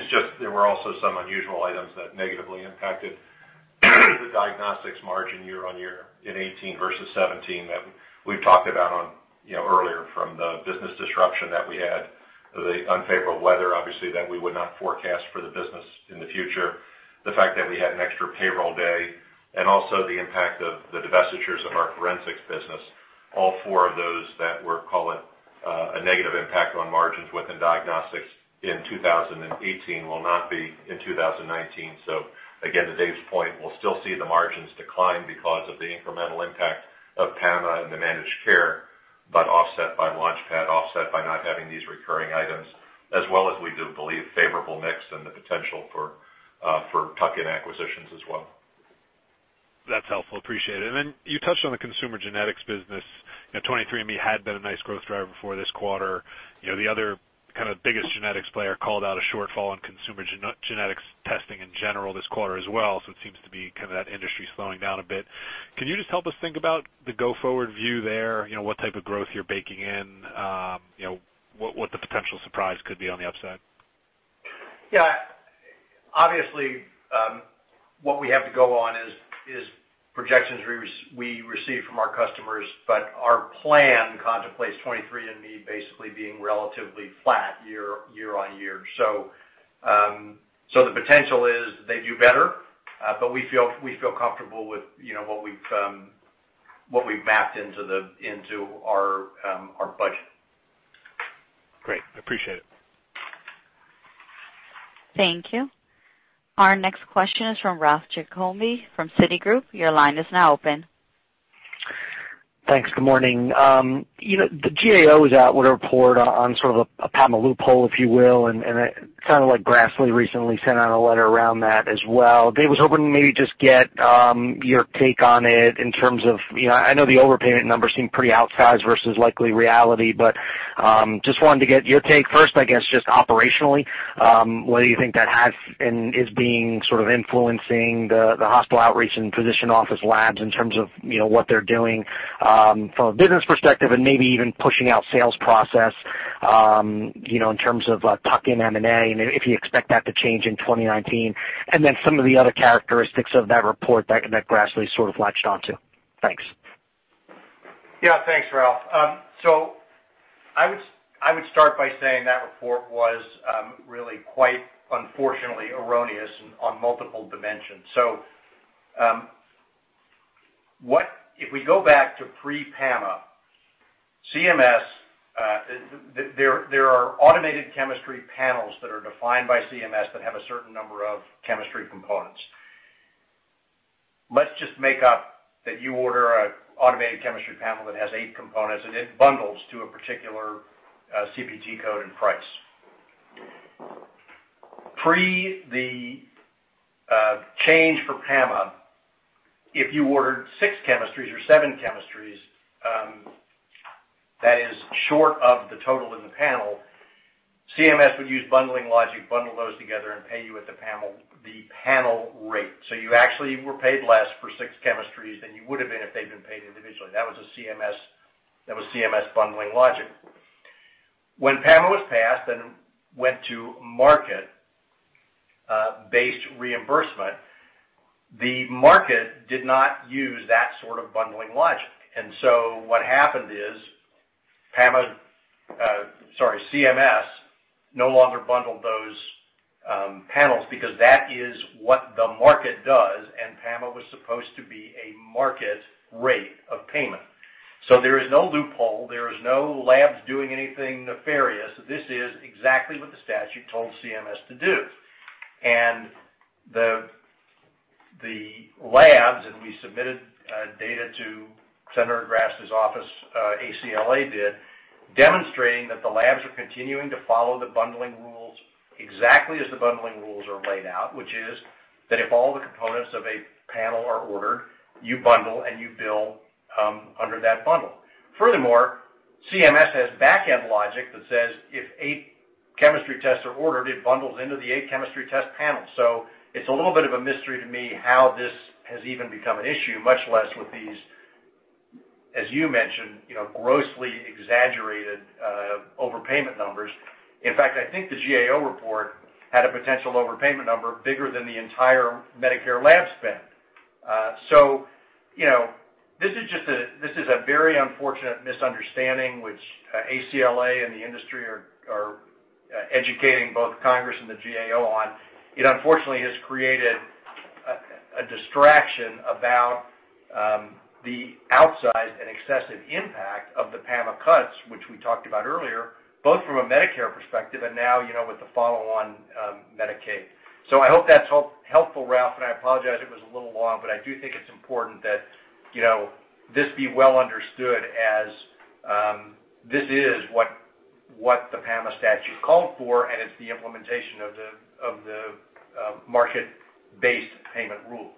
Speaker 4: is just there were also some unusual items that negatively impacted the Diagnostics margin year-over-year in 2018 versus 2017 that we've talked about earlier, from the business disruption that we had, the unfavorable weather, obviously, that we would not forecast for the business in the future, the fact that we had an extra payroll day, and also the impact of the divestitures of our forensics business. All four of those that were, call it, a negative impact on margins within Diagnostics in 2018 will not be in 2019. Again, to Dave's point, we'll still see the margins decline because of the incremental impact of PAMA and the managed care, but offset by LaunchPad, offset by not having these recurring items as well as we do believe favorable mix and the potential for tuck-in acquisitions as well.
Speaker 11: That's helpful, appreciate it. You touched on the consumer genetics business. 23andMe had been a nice growth driver before this quarter. The other biggest genetics player called out a shortfall on consumer genetics testing in general this quarter as well. It seems to be that industry slowing down a bit. Can you just help us think about the go-forward view there? What type of growth you're baking in, what the potential surprise could be on the upside?
Speaker 3: Yeah. Obviously, what we have to go on is projections we receive from our customers, but our plan contemplates 23andMe basically being relatively flat year on year. The potential is they do better, but we feel comfortable with what we've mapped into our budget.
Speaker 11: Great. Appreciate it.
Speaker 1: Thank you. Our next question is from Ralph Giacobbe from Citigroup. Your line is now open.
Speaker 12: Thanks. Good morning. The GAO is out with a report on sort of a PAMA loophole, if you will, and it sounded like Grassley recently sent out a letter around that as well. Dave, was hoping to maybe just get your take on it. I know the overpayment numbers seem pretty outsized versus likely reality, but just wanted to get your take first, I guess, just operationally. What do you think that has and is being sort of influencing the hospital outreach and physician office labs in terms of what they're doing from a business perspective and maybe even pushing out sales process, in terms of tuck-in M&A and if you expect that to change in 2019. Some of the other characteristics of that report that Grassley sort of latched onto. Thanks.
Speaker 3: Yeah. Thanks, Ralph. I would start by saying that report was really quite unfortunately erroneous on multiple dimensions. If we go back to pre-PAMA, there are automated chemistry panels that are defined by CMS that have a certain number of chemistry components. Let's just make up that you order an automated chemistry panel that has eight components, and it bundles to a particular CPT code and price. Pre the change for PAMA, if you ordered six chemistries or seven chemistries, that is short of the total in the panel, CMS would use bundling logic, bundle those together, and pay you at the panel rate. So you actually were paid less for six chemistries than you would've been if they'd been paid individually. That was CMS bundling logic. When PAMA was passed and went to market-based reimbursement, the market did not use that sort of bundling logic. What happened is PAMA, sorry, CMS no longer bundled those panels because that is what the market does, and PAMA was supposed to be a market rate of payment. So there is no loophole. There is no labs doing anything nefarious. This is exactly what the statute told CMS to do. And the labs, and we submitted data to Senator Grassley's office, ACLA did, demonstrating that the labs are continuing to follow the bundling rules exactly as the bundling rules are laid out, which is that if all the components of a panel are ordered, you bundle and you bill under that bundle. Furthermore, CMS has backend logic that says if eight chemistry tests are ordered, it bundles into the eight chemistry test panel. It's a little bit of a mystery to me how this has even become an issue, much less with these, as you mentioned, grossly exaggerated overpayment numbers. In fact, I think the GAO report had a potential overpayment number bigger than the entire Medicare lab spend. This is a very unfortunate misunderstanding which ACLA and the industry are educating both Congress and the GAO on. It unfortunately has created a distraction about the outsized and excessive impact of the PAMA cuts, which we talked about earlier, both from a Medicare perspective and now, with the follow on Medicaid. I hope that's helpful, Ralph, and I apologize it was a little long, but I do think it's important that this be well understood as this is what the PAMA statute called for, and it's the implementation of the market-based payment rules.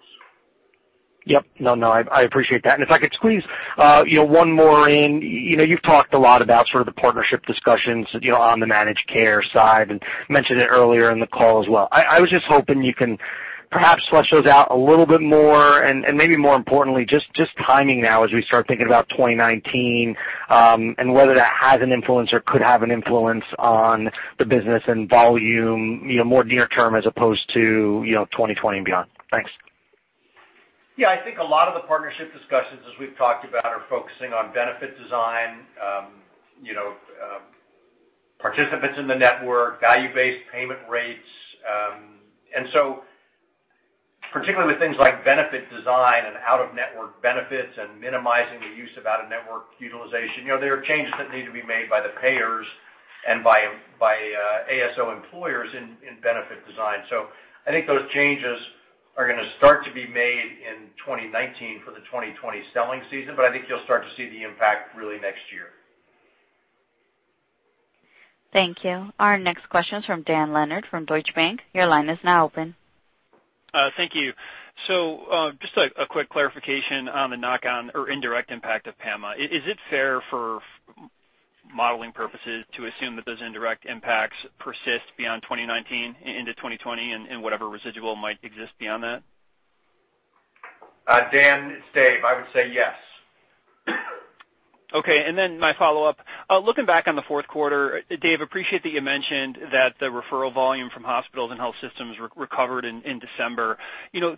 Speaker 12: Yep. No, I appreciate that. If I could squeeze one more in. You've talked a lot about sort of the partnership discussions on the managed care side and mentioned it earlier in the call as well. I was just hoping you can perhaps flesh those out a little bit more and, maybe more importantly, just timing now as we start thinking about 2019, and whether that has an influence or could have an influence on the business and volume, more near term as opposed to 2020 and beyond. Thanks.
Speaker 3: Yeah. I think a lot of the partnership discussions, as we've talked about, are focusing on benefit design, participants in the network, value-based payment rates. Particularly with things like benefit design and out-of-network benefits and minimizing the use of out-of-network utilization, there are changes that need to be made by the payers and by ASO employers in benefit design. I think those changes are going to start to be made in 2019 for the 2020 selling season. I think you'll start to see the impact really next year.
Speaker 1: Thank you. Our next question is from Dan Leonard from Deutsche Bank. Your line is now open.
Speaker 13: Thank you. Just a quick clarification on the knock-on or indirect impact of PAMA. Is it fair for modeling purposes to assume that those indirect impacts persist beyond 2019 into 2020 in whatever residual might exist beyond that?
Speaker 3: Dan, it's Dave. I would say yes.
Speaker 13: Okay. My follow-up. Looking back on the fourth quarter, Dave, appreciate that you mentioned that the referral volume from hospitals and health systems recovered in December.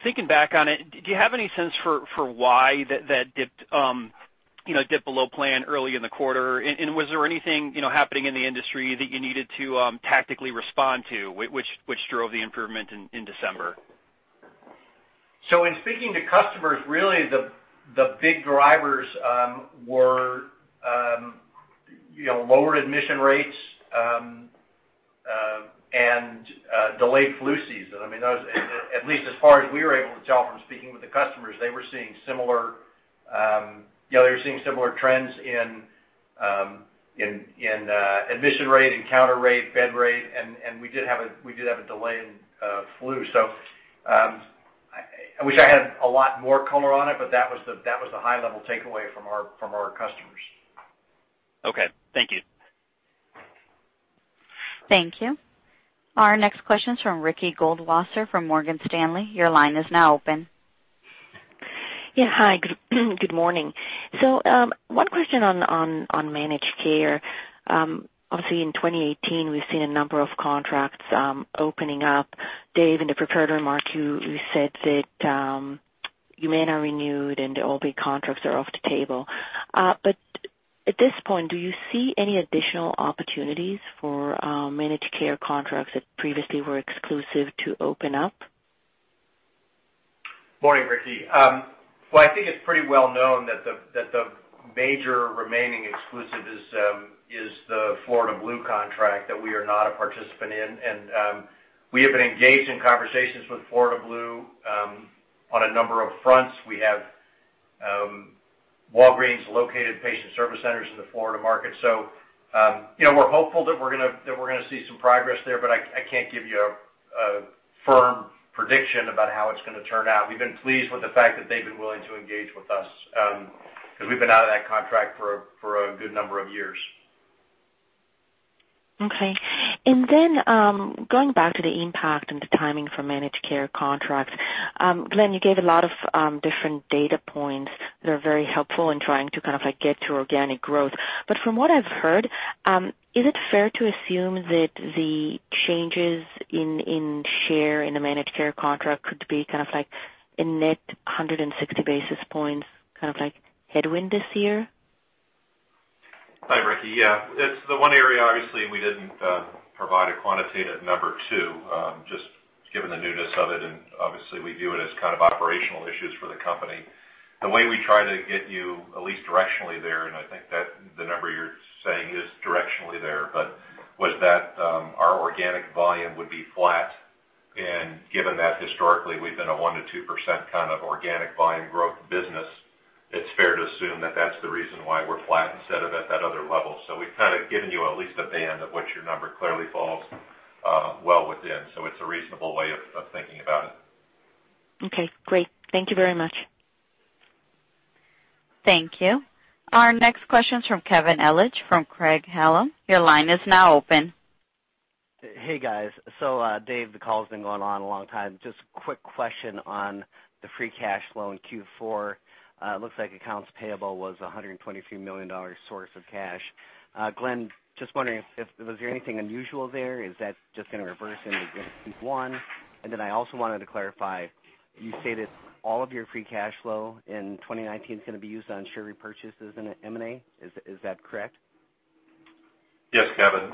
Speaker 13: Thinking back on it, do you have any sense for why that dipped below plan early in the quarter? Was there anything happening in the industry that you needed to tactically respond to, which drove the improvement in December?
Speaker 3: In speaking to customers, really the big drivers were lower admission rates, and delayed flu season. At least as far as we were able to tell from speaking with the customers, they were seeing similar trends in admission rate, encounter rate, bed rate, and we did have a delay in flu. I wish I had a lot more color on it, but that was the high level takeaway from our customers.
Speaker 13: Okay. Thank you.
Speaker 1: Thank you. Our next question is from Ricky Goldwasser from Morgan Stanley. Your line is now open.
Speaker 14: Hi, good morning. One question on managed care. Obviously, in 2018, we've seen a number of contracts opening up. Dave, in the prepared remarks, you said that Humana renewed and all big contracts are off the table. At this point, do you see any additional opportunities for managed care contracts that previously were exclusive to open up?
Speaker 3: Morning, Ricky. I think it's pretty well known that the major remaining exclusive is the Florida Blue contract that we are not a participant in. We have been engaged in conversations with Florida Blue on a number of fronts. We have Walgreens-located patient service centers in the Florida market, we're hopeful that we're going to see some progress there, I can't give you a firm prediction about how it's going to turn out. We've been pleased with the fact that they've been willing to engage with us, because we've been out of that contract for a good number of years.
Speaker 14: Going back to the impact and the timing for managed care contracts. Glenn, you gave a lot of different data points that are very helpful in trying to get to organic growth. From what I've heard, is it fair to assume that the changes in share in the managed care contract could be a net 160 basis points headwind this year?
Speaker 4: Hi, Ricky. It's the one area, obviously, we didn't provide a quantitative number to, just given the newness of it, obviously we view it as operational issues for the company. The way we try to get you at least directionally there, I think that the number you're saying is directionally there, was that our organic volume would be flat. Given that historically we've been a 1%-2% organic volume growth business, it's fair to assume that that's the reason why we're flat instead of at that other level. We've given you at least a band of which your number clearly falls well within. It's a reasonable way of thinking about it.
Speaker 14: Okay, great. Thank you very much.
Speaker 1: Thank you. Our next question's from Kevin Ellich from Craig-Hallum. Your line is now open.
Speaker 15: Hey, guys. Dave, the call's been going on a long time. Just a quick question on the free cash flow in Q4. Looks like accounts payable was a $123 million source of cash. Glenn, just wondering if, was there anything unusual there? Is that just going to reverse in Q1? I also wanted to clarify, you stated all of your free cash flow in 2019 is going to be used on share repurchases and M&A. Is that correct?
Speaker 4: Yes, Kevin.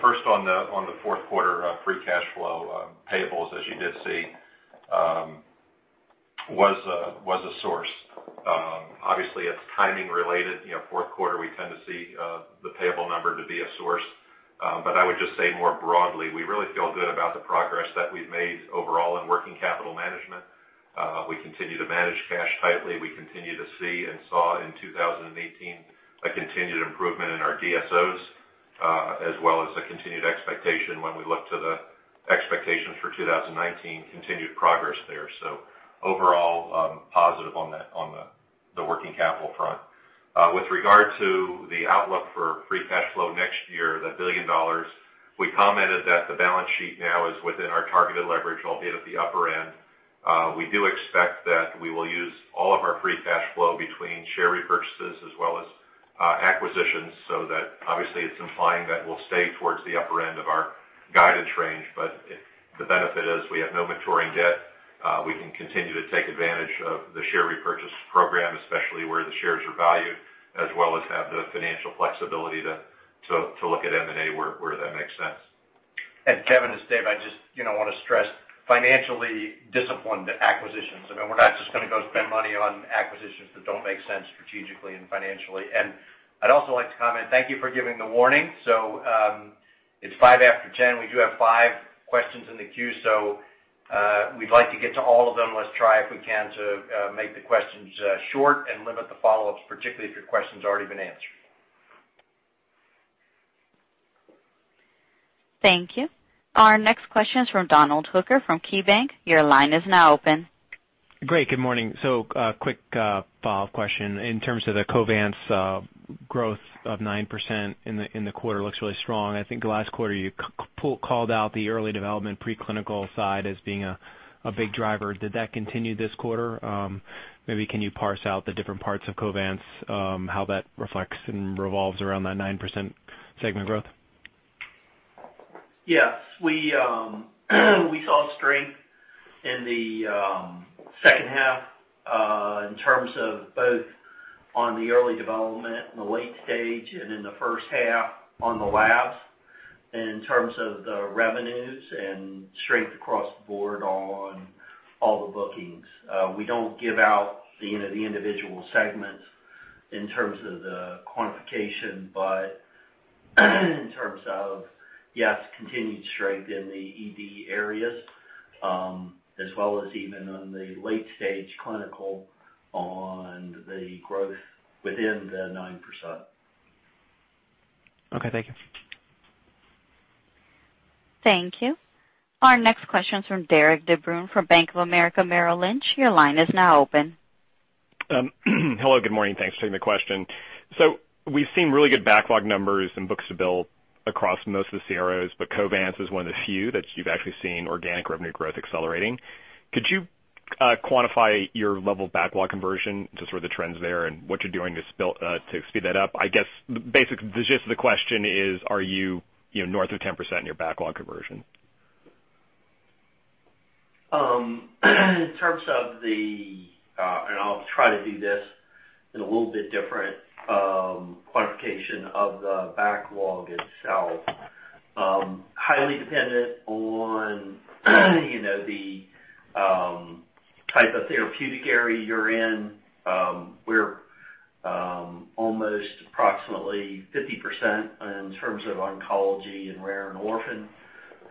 Speaker 4: First on the fourth quarter free cash flow, payables, as you did see, was a source. Obviously, it's timing related. Fourth quarter, we tend to see the payable number to be a source. I would just say more broadly, we really feel good about the progress that we've made overall in working capital management. We continue to manage cash tightly. We continue to see and saw in 2018 a continued improvement in our DSOs, as well as a continued expectation when we look to the expectations for 2019, continued progress there. Overall, positive on the working capital front. With regard to the outlook for free cash flow next year, the $1 billion, we commented that the balance sheet now is within our targeted leverage, albeit at the upper end. We do expect that we will use all of our free cash flow between share repurchases as well as acquisitions. That obviously it's implying that we'll stay towards the upper end of our guidance range. The benefit is we have no maturing debt. We can continue to take advantage of the share repurchase program, especially where the shares are valued, as well as have the financial flexibility to look at M&A where that makes sense.
Speaker 3: Kevin, it's Dave, I just want to stress financially disciplined acquisitions. We're not just going to go spend money on acquisitions that don't make sense strategically and financially. I'd also like to comment, thank you for giving the warning. It's 10:05 A.M. We do have five questions in the queue. We'd like to get to all of them. Let's try, if we can, to make the questions short and limit the follow-ups, particularly if your question's already been answered.
Speaker 1: Thank you. Our next question is from Donald Hooker from KeyBanc. Your line is now open.
Speaker 16: Great. Good morning. Quick follow-up question. In terms of the Covance growth of 9% in the quarter, looks really strong. I think last quarter you called out the early development preclinical side as being a big driver. Did that continue this quarter? Maybe can you parse out the different parts of Covance, how that reflects and revolves around that 9% segment growth?
Speaker 6: Yes. We saw strength in the second half, in terms of both on the early development and the late stage, and in the first half on the labs, in terms of the revenues and strength across the board on all the bookings. We don't give out the individual segments in terms of the quantification, but in terms of, yes, continued strength in the ED areas, as well as even on the late-stage clinical on the growth within the 9%.
Speaker 16: Okay, thank you.
Speaker 1: Thank you. Our next question is from Derik De Bruin from Bank of America Merrill Lynch. Your line is now open.
Speaker 17: Hello, good morning. Thanks for taking the question. We've seen really good backlog numbers and books to build across most of the CROs, but Covance is one of the few that you've actually seen organic revenue growth accelerating. Could you quantify your level of backlog conversion to sort of the trends there and what you're doing to speed that up? I guess the gist of the question is, are you north of 10% in your backlog conversion?
Speaker 6: In terms of I'll try to do this in a little bit different quantification of the backlog itself. Highly dependent on the type of therapeutic area you're in. We're almost approximately 50% in terms of oncology and rare and orphan,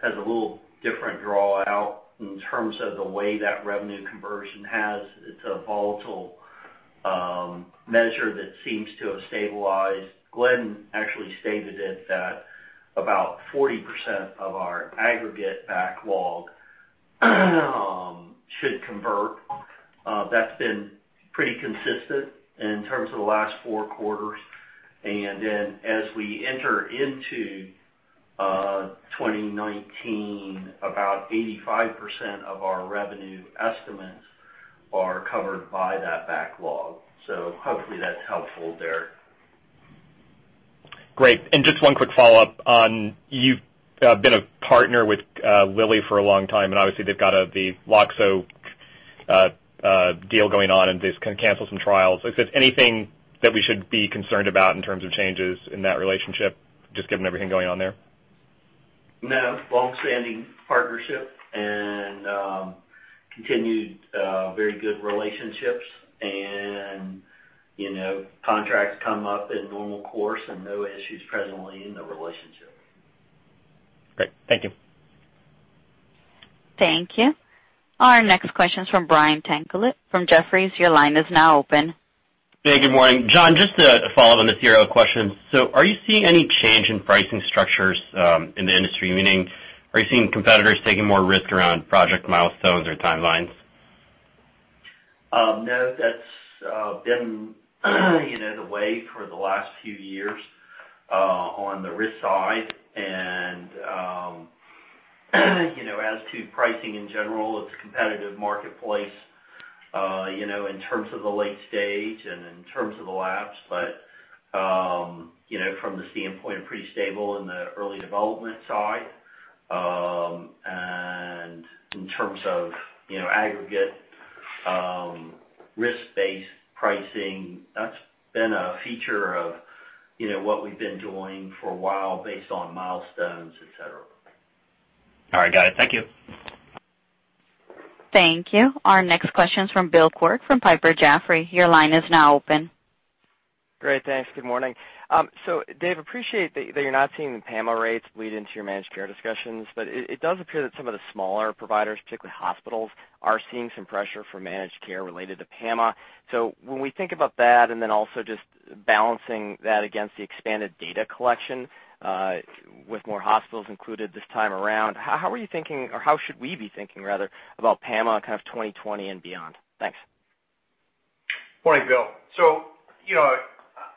Speaker 6: has a little different draw out in terms of the way that revenue conversion has. It's a volatile measure that seems to have stabilized. Glenn actually stated it that about 40% of our aggregate backlog should convert. That's been pretty consistent in terms of the last four quarters. As we enter into 2019, about 85% of our revenue estimates are covered by that backlog. Hopefully that's helpful there.
Speaker 17: Great. Just one quick follow-up on, you've been a partner with Lilly for a long time, and obviously they've got the Loxo deal going on, and they just canceled some trials. Is there anything that we should be concerned about in terms of changes in that relationship, just given everything going on there?
Speaker 6: No. Long-standing partnership and continued very good relationships and contracts come up in normal course and no issues presently in the relationship.
Speaker 17: Great. Thank you.
Speaker 1: Thank you. Our next question's from Brian Tanquilut from Jefferies. Your line is now open.
Speaker 18: Hey, good morning. John, just to follow up on the CRO question. Are you seeing any change in pricing structures in the industry, meaning are you seeing competitors taking more risk around project milestones or timelines?
Speaker 6: No, that's been the way for the last few years on the risk side, as to pricing in general, it's a competitive marketplace in terms of the late stage and in terms of the labs. From the standpoint, pretty stable in the early development side. In terms of aggregate risk-based pricing, that's been a feature of what we've been doing for a while based on milestones, et cetera.
Speaker 18: All right, got it. Thank you.
Speaker 1: Thank you. Our next question's from Bill Quirk from Piper Jaffray. Your line is now open.
Speaker 19: Great, thanks. Good morning. Dave, appreciate that you're not seeing the PAMA rates bleed into your managed care discussions, it does appear that some of the smaller providers, particularly hospitals, are seeing some pressure for managed care related to PAMA. When we think about that, and then also just balancing that against the expanded data collection with more hospitals included this time around, how are you thinking, or how should we be thinking rather, about PAMA kind of 2020 and beyond? Thanks.
Speaker 3: Morning, Bill.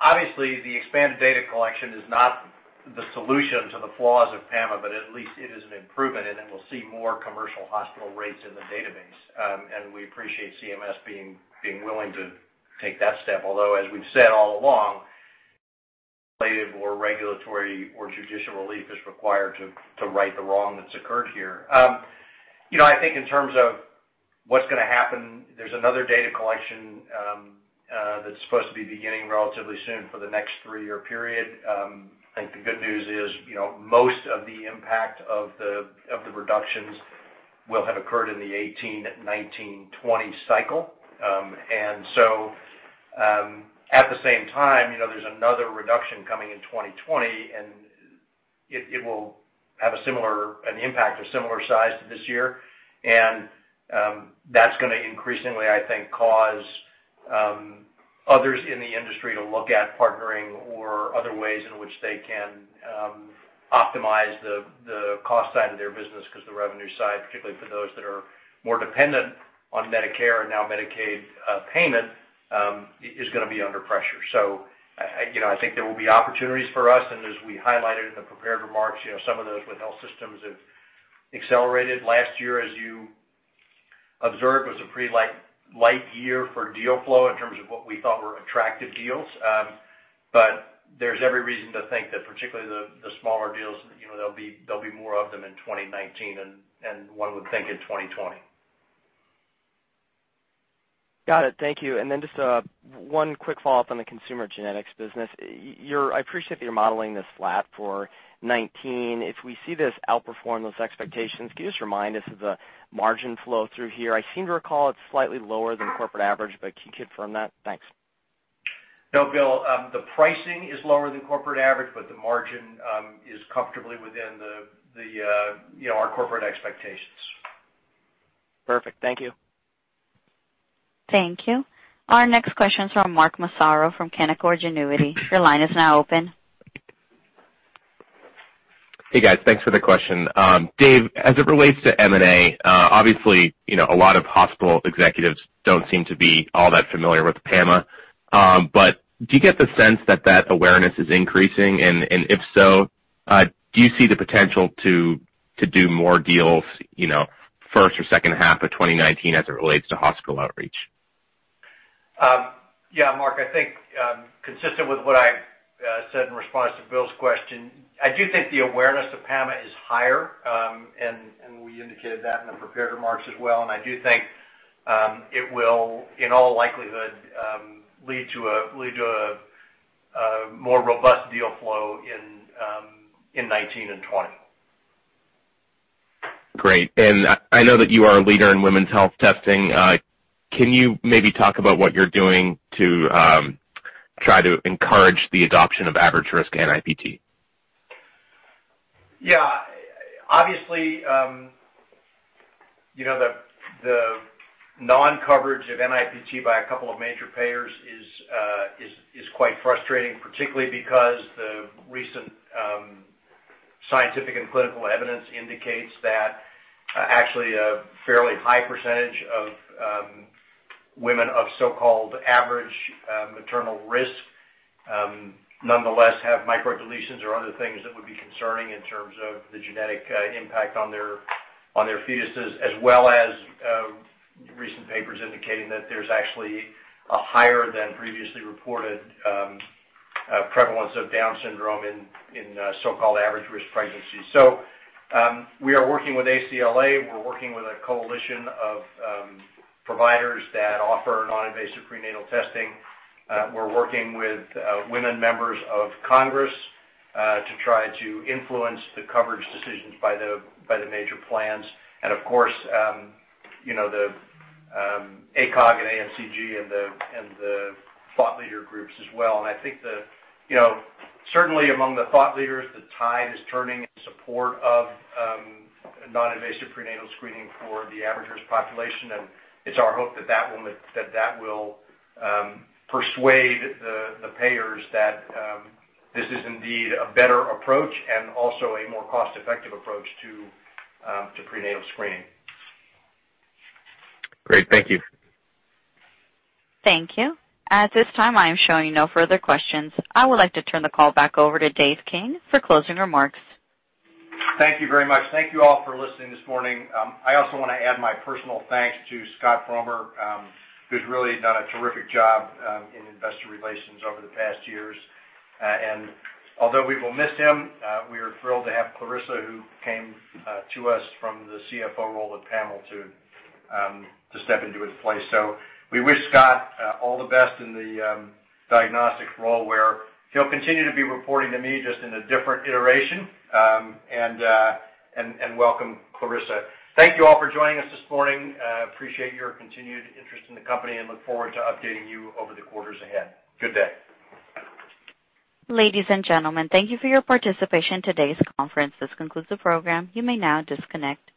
Speaker 3: Obviously the expanded data collection is not the solution to the flaws of PAMA, at least it is an improvement, we'll see more commercial hospital rates in the database. We appreciate CMS being willing to take that step, although, as we've said all along, legislative or regulatory or judicial relief is required to right the wrong that's occurred here. I think in terms of what's going to happen, there's another data collection that's supposed to be beginning relatively soon for the next three-year period. I think the good news is most of the impact of the reductions will have occurred in the 2018, 2019, 2020 cycle. At the same time, there's another reduction coming in 2020 and it will have an impact of similar size to this year, that's going to increasingly, I think, cause others in the industry to look at partnering or other ways in which they can optimize the cost side of their business because the revenue side, particularly for those that are more dependent on Medicare and now Medicaid payment, is going to be under pressure. I think there will be opportunities for us, as we highlighted in the prepared remarks, some of those with health systems have accelerated. Last year, as you observed, was a pretty light year for deal flow in terms of what we thought were attractive deals. There's every reason to think that particularly the smaller deals, there'll be more of them in 2019 and one would think in 2020.
Speaker 19: Got it. Thank you. Then just one quick follow-up on the consumer genetics business. I appreciate that you're modeling this flat for 2019. If we see this outperform those expectations, can you just remind us of the margin flow through here? I seem to recall it's slightly lower than corporate average, but can you confirm that? Thanks.
Speaker 3: No, Bill. The pricing is lower than corporate average, the margin is comfortably within our corporate expectations.
Speaker 19: Perfect. Thank you.
Speaker 1: Thank you. Our next question's from Mark Massaro from Canaccord Genuity. Your line is now open.
Speaker 20: Hey, guys. Thanks for the question. Dave, as it relates to M&A, obviously a lot of hospital executives don't seem to be all that familiar with PAMA. Do you get the sense that that awareness is increasing? If so, do you see the potential to do more deals first or second half of 2019 as it relates to hospital outreach?
Speaker 3: Yeah, Mark, I think consistent with what I said in response to Bill's question, I do think the awareness of PAMA is higher, and we indicated that in the prepared remarks as well. I do think it will, in all likelihood, lead to a more robust deal flow in 2019 and 2020.
Speaker 20: Great. I know that you are a leader in women's health testing. Can you maybe talk about what you're doing to try to encourage the adoption of average-risk NIPT?
Speaker 3: Yeah. Obviously, the non-coverage of NIPT by a couple of major payers is quite frustrating, particularly because the recent scientific and clinical evidence indicates that actually a fairly high percentage of women of so-called average maternal risk nonetheless have microdeletions or other things that would be concerning in terms of the genetic impact on their fetuses, as well as recent papers indicating that there's actually a higher than previously reported prevalence of Down syndrome in so-called average-risk pregnancies. We are working with ACLA, we're working with a coalition of providers that offer non-invasive prenatal testing. We're working with women members of Congress to try to influence the coverage decisions by the major plans and, of course, the ACOG and the [ACMG] and the thought leader groups as well. I think certainly among the thought leaders, the tide is turning in support of non-invasive prenatal screening for the average-risk population. It's our hope that that will persuade the payers that this is indeed a better approach and also a more cost-effective approach to prenatal screening.
Speaker 20: Great. Thank you.
Speaker 1: Thank you. At this time, I am showing no further questions. I would like to turn the call back over to Dave King for closing remarks.
Speaker 3: Thank you very much. Thank you all for listening this morning. I also want to add my personal thanks to Scott Frommer, who's really done a terrific job in investor relations over the past years. Although we will miss him, we are thrilled to have Clarissa, who came to us from the CFO role at PAML, to step into his place. We wish Scott all the best in the diagnostics role, where he'll continue to be reporting to me, just in a different iteration, and welcome Clarissa. Thank you all for joining us this morning. Appreciate your continued interest in the company and look forward to updating you over the quarters ahead. Good day.
Speaker 1: Ladies and gentlemen, thank you for your participation in today's conference. This concludes the program. You may now disconnect.